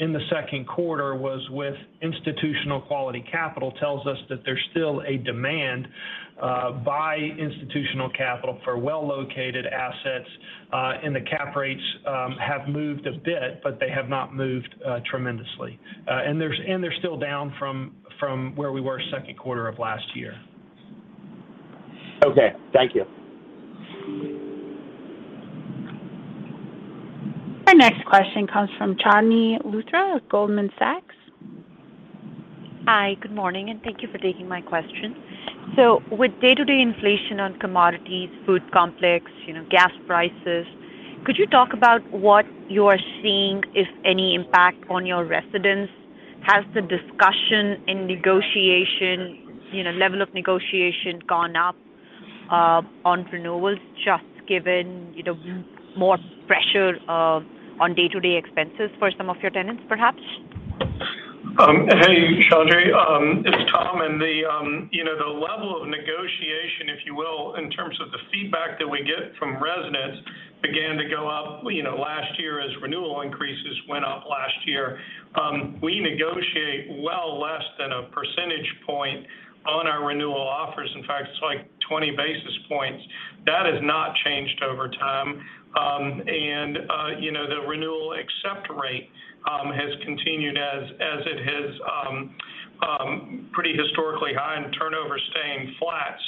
in the second quarter was with institutional quality capital tells us that there's still a demand by institutional capital for well-located assets. The cap rates have moved a bit, but they have not moved tremendously. They're still down from where we were second quarter of last year. Okay. Thank you. Our next question comes from Chandni Luthra of Goldman Sachs. Hi, good morning, and thank you for taking my question. With day-to-day inflation on commodities, food complex, you know, gas prices, could you talk about what you are seeing, if any impact on your residents? Has the discussion and negotiation, you know, level of negotiation gone up, on renewals just given, you know, more pressure, on day-to-day expenses for some of your tenants, perhaps? Hey, Chandni, it's Tom. The level of negotiation, if you will, in terms of the feedback that we get from residents began to go up last year as renewal increases went up last year. We negotiate well less than a percentage point on our renewal offers. In fact, it's like 20 basis points. That has not changed over time. You know, the renewal accept rate has continued as it has pretty historically high and turnover staying flat.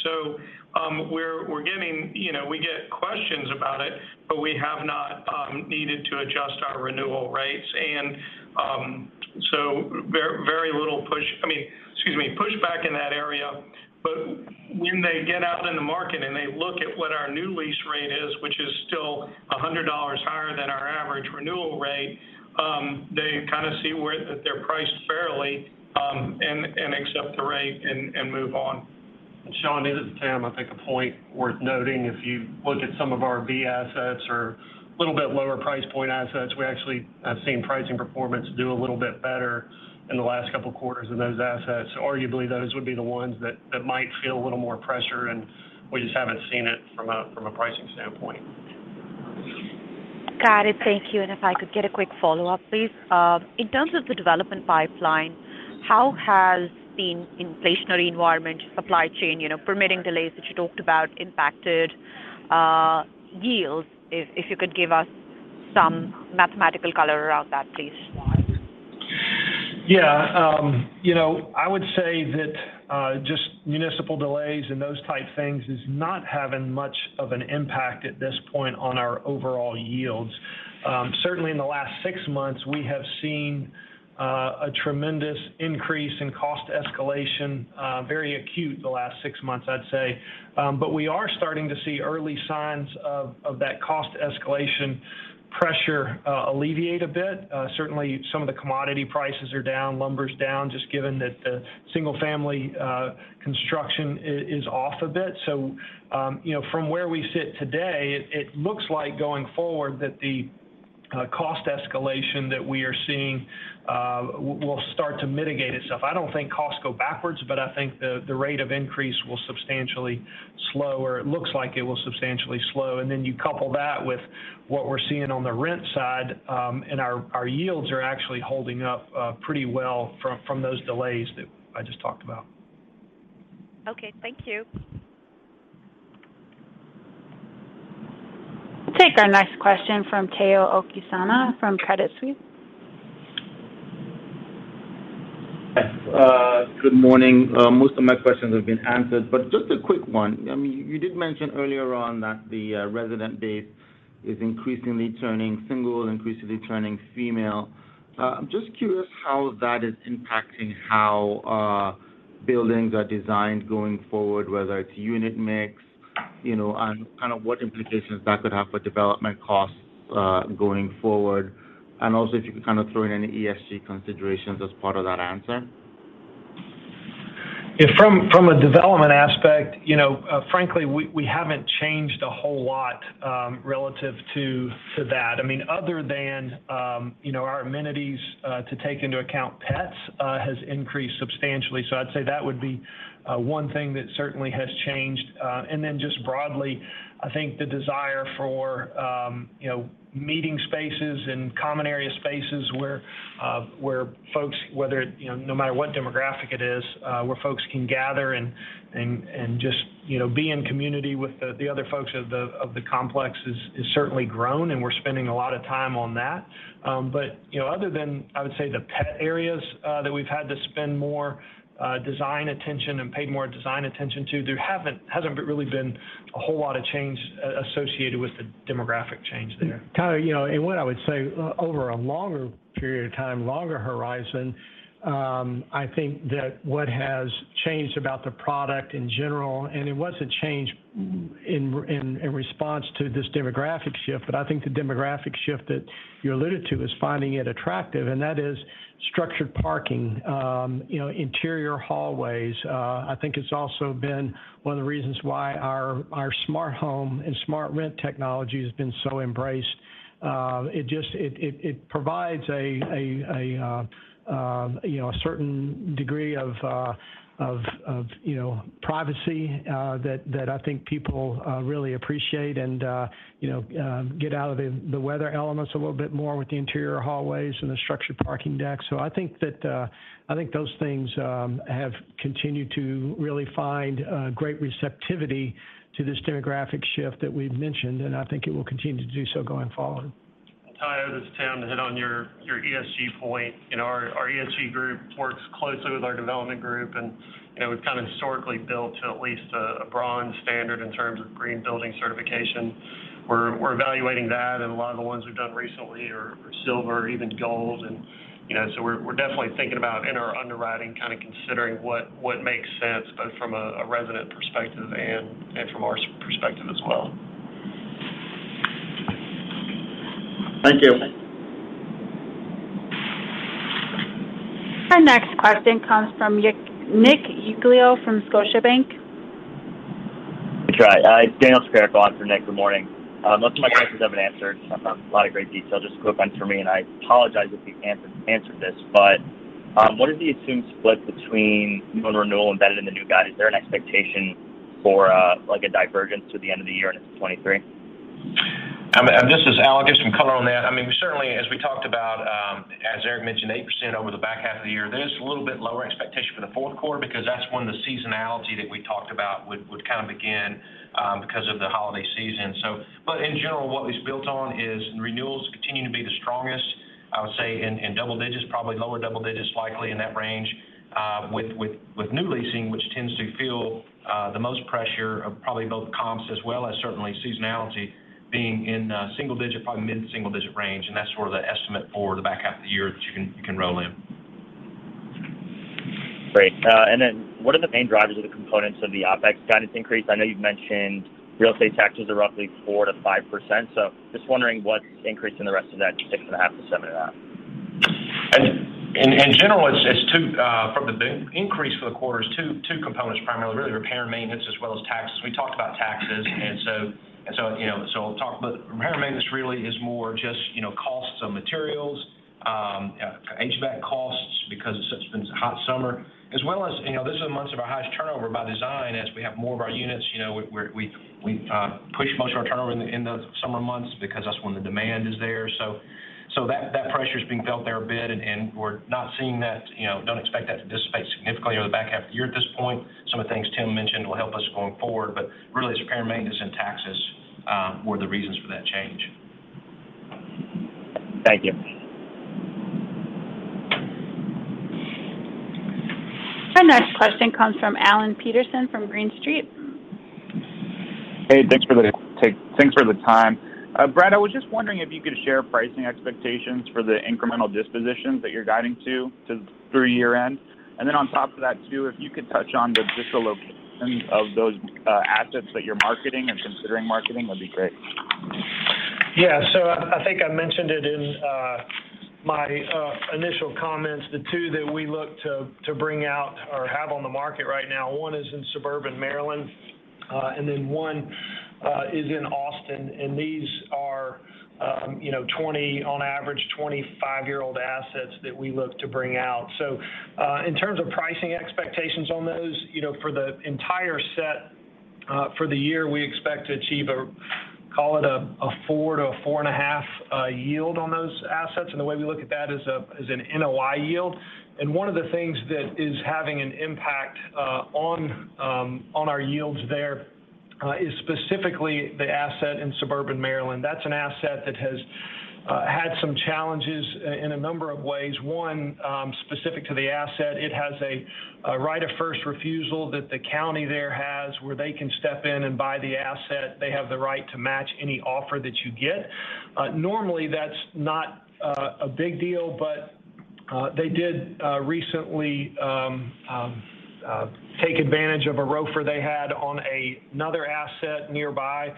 We're getting. You know, we get questions about it, but we have not needed to adjust our renewal rates. Very little push. I mean, excuse me, pushback in that area. When they get out in the market and they look at what our new lease rate is, which is still $100 higher than our average renewal rate, they kind of see that they're priced fairly, and accept the rate and move on. Chandni, this is Tim. I think a point worth noting, if you look at some of our B assets or a little bit lower price point assets, we actually have seen pricing performance do a little bit better in the last couple of quarters in those assets. Arguably, those would be the ones that might feel a little more pressure, and we just haven't seen it from a pricing standpoint. Got it. Thank you. If I could get a quick follow-up, please. In terms of the development pipeline, how has the inflationary environment, supply chain, you know, permitting delays that you talked about impacted yields? If you could give us some mathematical color around that, please. Yeah. You know, I would say that just municipal delays and those type things is not having much of an impact at this point on our overall yields. Certainly in the last six months, we have seen a tremendous increase in cost escalation, very acute the last six months, I'd say. But we are starting to see early signs of that cost escalation pressure alleviate a bit. Certainly some of the commodity prices are down, lumber's down, just given that the single family construction is off a bit. You know, from where we sit today, it looks like going forward that the cost escalation that we are seeing will start to mitigate itself. I don't think costs go backwards, but I think the rate of increase will substantially slow, or it looks like it will substantially slow. You couple that with what we're seeing on the rent side, and our yields are actually holding up pretty well from those delays that I just talked about. Okay. Thank you. Take our next question from Omotayo Okusanya from Credit Suisse. Yes. Good morning. Most of my questions have been answered, but just a quick one. I mean, you did mention earlier on that the resident base is increasingly turning single, increasingly turning female. I'm just curious how that is impacting how buildings are designed going forward, whether it's unit mix, you know, and kind of what implications that could have for development costs going forward. Also, if you could kind of throw in any ESG considerations as part of that answer. Yeah. From a development aspect, you know, frankly, we haven't changed a whole lot relative to that. I mean, other than our amenities to take into account pets has increased substantially. So I'd say that would be one thing that certainly has changed. Then just broadly, I think the desire for you know, meeting spaces and common area spaces where folks, whether you know, no matter what demographic it is, where folks can gather and just you know, be in community with the other folks of the complex is certainly grown, and we're spending a lot of time on that. You know, other than, I would say, the pet areas that we've had to spend more design attention and pay more design attention to. There hasn't really been a whole lot of change associated with the demographic change there. Ty, you know, what I would say over a longer period of time, longer horizon, I think that what has changed about the product in general, and it wasn't changed in response to this demographic shift, but I think the demographic shift that you alluded to is finding it attractive, and that is structured parking, you know, interior hallways. I think it's also been one of the reasons why our smart home and SmartRent technology has been so embraced. It just provides, you know, a certain degree of privacy that I think people really appreciate and, you know, get out of the weather elements a little bit more with the interior hallways and the structured parking decks. I think those things have continued to really find great receptivity to this demographic shift that we've mentioned, and I think it will continue to do so going forward. Ty, this is Tim. To hit on your ESG point, you know, our ESG group works closely with our development group, and, you know, we've kind of historically built to at least a bronze standard in terms of green building certification. We're evaluating that, and a lot of the ones we've done recently are silver or even gold. You know, so we're definitely thinking about, in our underwriting, kind of considering what makes sense, both from a resident perspective and from our ESG perspective as well. Thank you. Our next question comes from Nick Yulico from Scotiabank. That's right. It's Daniel Tricarico for Nick. Good morning. Most of my questions have been answered, a lot of great detail. Just a quick one for me, and I apologize if you've answered this, but what is the assumed split between new and renewal embedded in the new guide? Is there an expectation for like a divergence to the end of the year and into 2023? This is Al. I'll give some color on that. I mean, we certainly, as we talked about, as Eric mentioned, 8% over the back half of the year. There is a little bit lower expectation for the fourth quarter because that's when the seasonality that we talked about would kind of begin because of the holiday season. But in general, what it's built on is renewals continue to be the strongest, I would say in double digits, probably lower double digits, likely in that range, with new leasing, which tends to feel the most pressure of probably both comps as well as certainly seasonality being in single digit, probably mid-single digit range. That's sort of the estimate for the back half of the year that you can roll in. Great. And then what are the main drivers of the components of the OpEx guidance increase? I know you've mentioned real estate taxes are roughly 4%-5%. Just wondering what's increasing the rest of that 6.5%-7.5%. In general, the increase for the quarter is two components, primarily. Really repair and maintenance as well as taxes. We talked about taxes, you know, so we'll talk about repair and maintenance. Repair and maintenance really is more just, you know, costs of materials, HVAC costs because it's been a hot summer. As well as, you know, this is months of our highest turnover by design as we have more of our units. You know, we push most of our turnover in the summer months because that's when the demand is there. That pressure is being felt there a bit and we're not seeing that, you know, don't expect that to dissipate significantly over the back half of the year at this point. Some of the things Tim mentioned will help us going forward. Really it's repair and maintenance and taxes were the reasons for that change. Thank you. Our next question comes from Alan Peterson from Green Street. Hey, thanks for taking. Thanks for the time. Brad, I was just wondering if you could share pricing expectations for the incremental dispositions that you're guiding to through year-end. On top of that too, if you could touch on just the locations of those assets that you're marketing and considering marketing, that'd be great. Yeah. I think I mentioned it in my initial comments. The two that we look to bring out or have on the market right now, one is in suburban Maryland, and then one is in Austin. These are, you know, on average 25-year-old assets that we look to bring out. In terms of pricing expectations on those, you know, for the entire set for the year, we expect to achieve, call it a 4%-4.5% yield on those assets. The way we look at that is an NOI yield. One of the things that is having an impact on our yields there is specifically the asset in suburban Maryland. That's an asset that has had some challenges in a number of ways. One specific to the asset, it has a right of first refusal that the county there has, where they can step in and buy the asset. They have the right to match any offer that you get. Normally that's not a big deal, but they did recently take advantage of a ROFR they had on another asset nearby.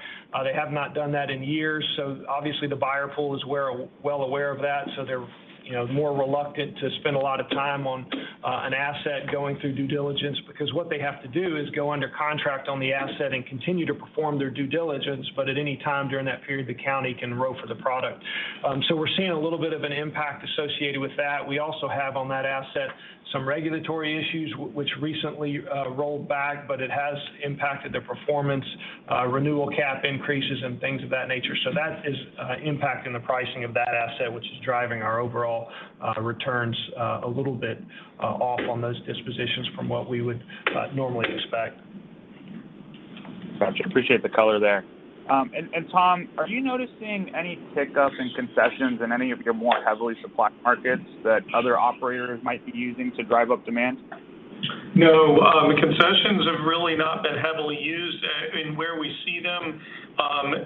They have not done that in years, so obviously the buyer pool is well aware of that, so they're, you know, more reluctant to spend a lot of time on an asset going through due diligence. Because what they have to do is go under contract on the asset and continue to perform their due diligence, but at any time during that period, the county can ROFR the product. We're seeing a little bit of an impact associated with that. We also have on that asset some regulatory issues which recently rolled back, but it has impacted the performance, renewal cap increases and things of that nature. That is impacting the pricing of that asset, which is driving our overall returns a little bit off on those dispositions from what we would normally expect. Got you. Appreciate the color there. Tom, are you noticing any tick-ups in concessions in any of your more heavily supplied markets that other operators might be using to drive up demand? No. Concessions have really not been heavily used. Where we see them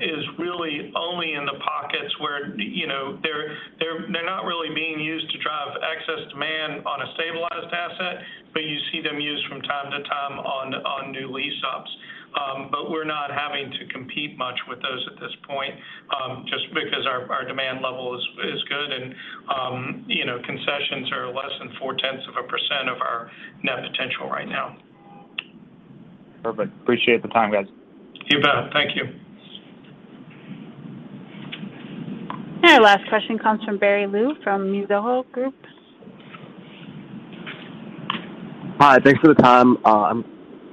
is really only in the pockets where, you know, they're not really being used to drive excess demand on a stabilized asset, but you see them used from time to time on new lease ups. We're not having to compete much with those at this point, just because our demand level is good and, you know, concessions are less than 0.4% of our net potential right now. Perfect. Appreciate the time, guys. You bet. Thank you. Our last question comes from Barry Lu from Mizuho Group. Hi. Thanks for the time.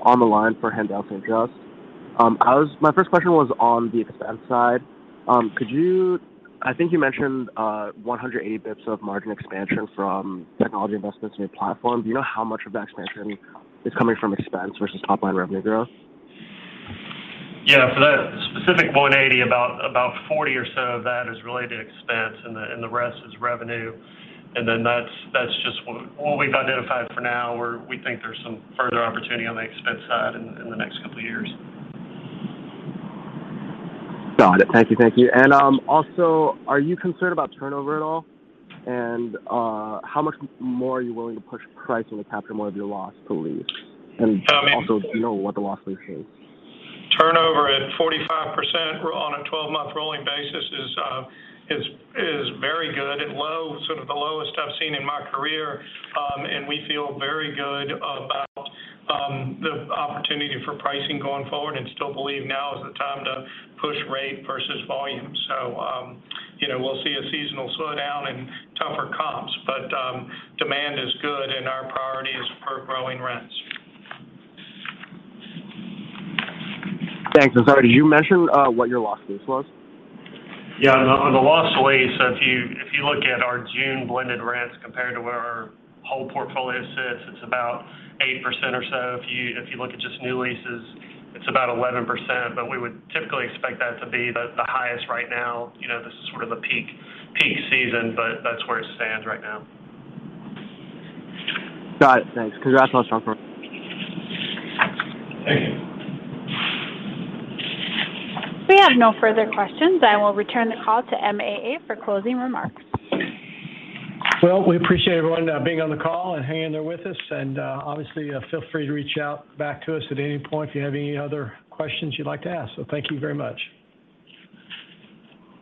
I'm on the line for Haendel St. Juste. My first question was on the expense side. I think you mentioned 180 basis points of margin expansion from technology investments in your platform. Do you know how much of that expansion is coming from expense versus top line revenue growth? Yeah. For that specific $180, about $40 or so of that is related to expense and the rest is revenue. Then that's just what we've identified for now, where we think there's some further opportunity on the expense side in the next couple of years. Got it. Thank you. Also, are you concerned about turnover at all? How much more are you willing to push pricing to capture more of your loss to lease? I mean. Also, do you know what the loss to lease is? Turnover at 45% run on a 12-month rolling basis is very good and low, sort of the lowest I've seen in my career. We feel very good about the opportunity for pricing going forward and still believe now is the time to push rate versus volume. You know, we'll see a seasonal slowdown and tougher comps, but demand is good and our priority is for growing rents. Thanks. I'm sorry, did you mention what your loss to lease was? Yeah. On the loss-to-lease, if you look at our June blended rents compared to where our whole portfolio sits, it's about 8% or so. If you look at just new leases, it's about 11%. We would typically expect that to be the highest right now. You know, this is sort of a peak season, but that's where it stands right now. Got it. Thanks. Congrats on a strong quarter. Thank you. We have no further questions. I will return the call to MAA for closing remarks. Well, we appreciate everyone being on the call and hanging in there with us. Obviously, feel free to reach out back to us at any point if you have any other questions you'd like to ask. Thank you very much.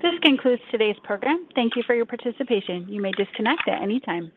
This concludes today's program. Thank you for your participation. You may disconnect at any time.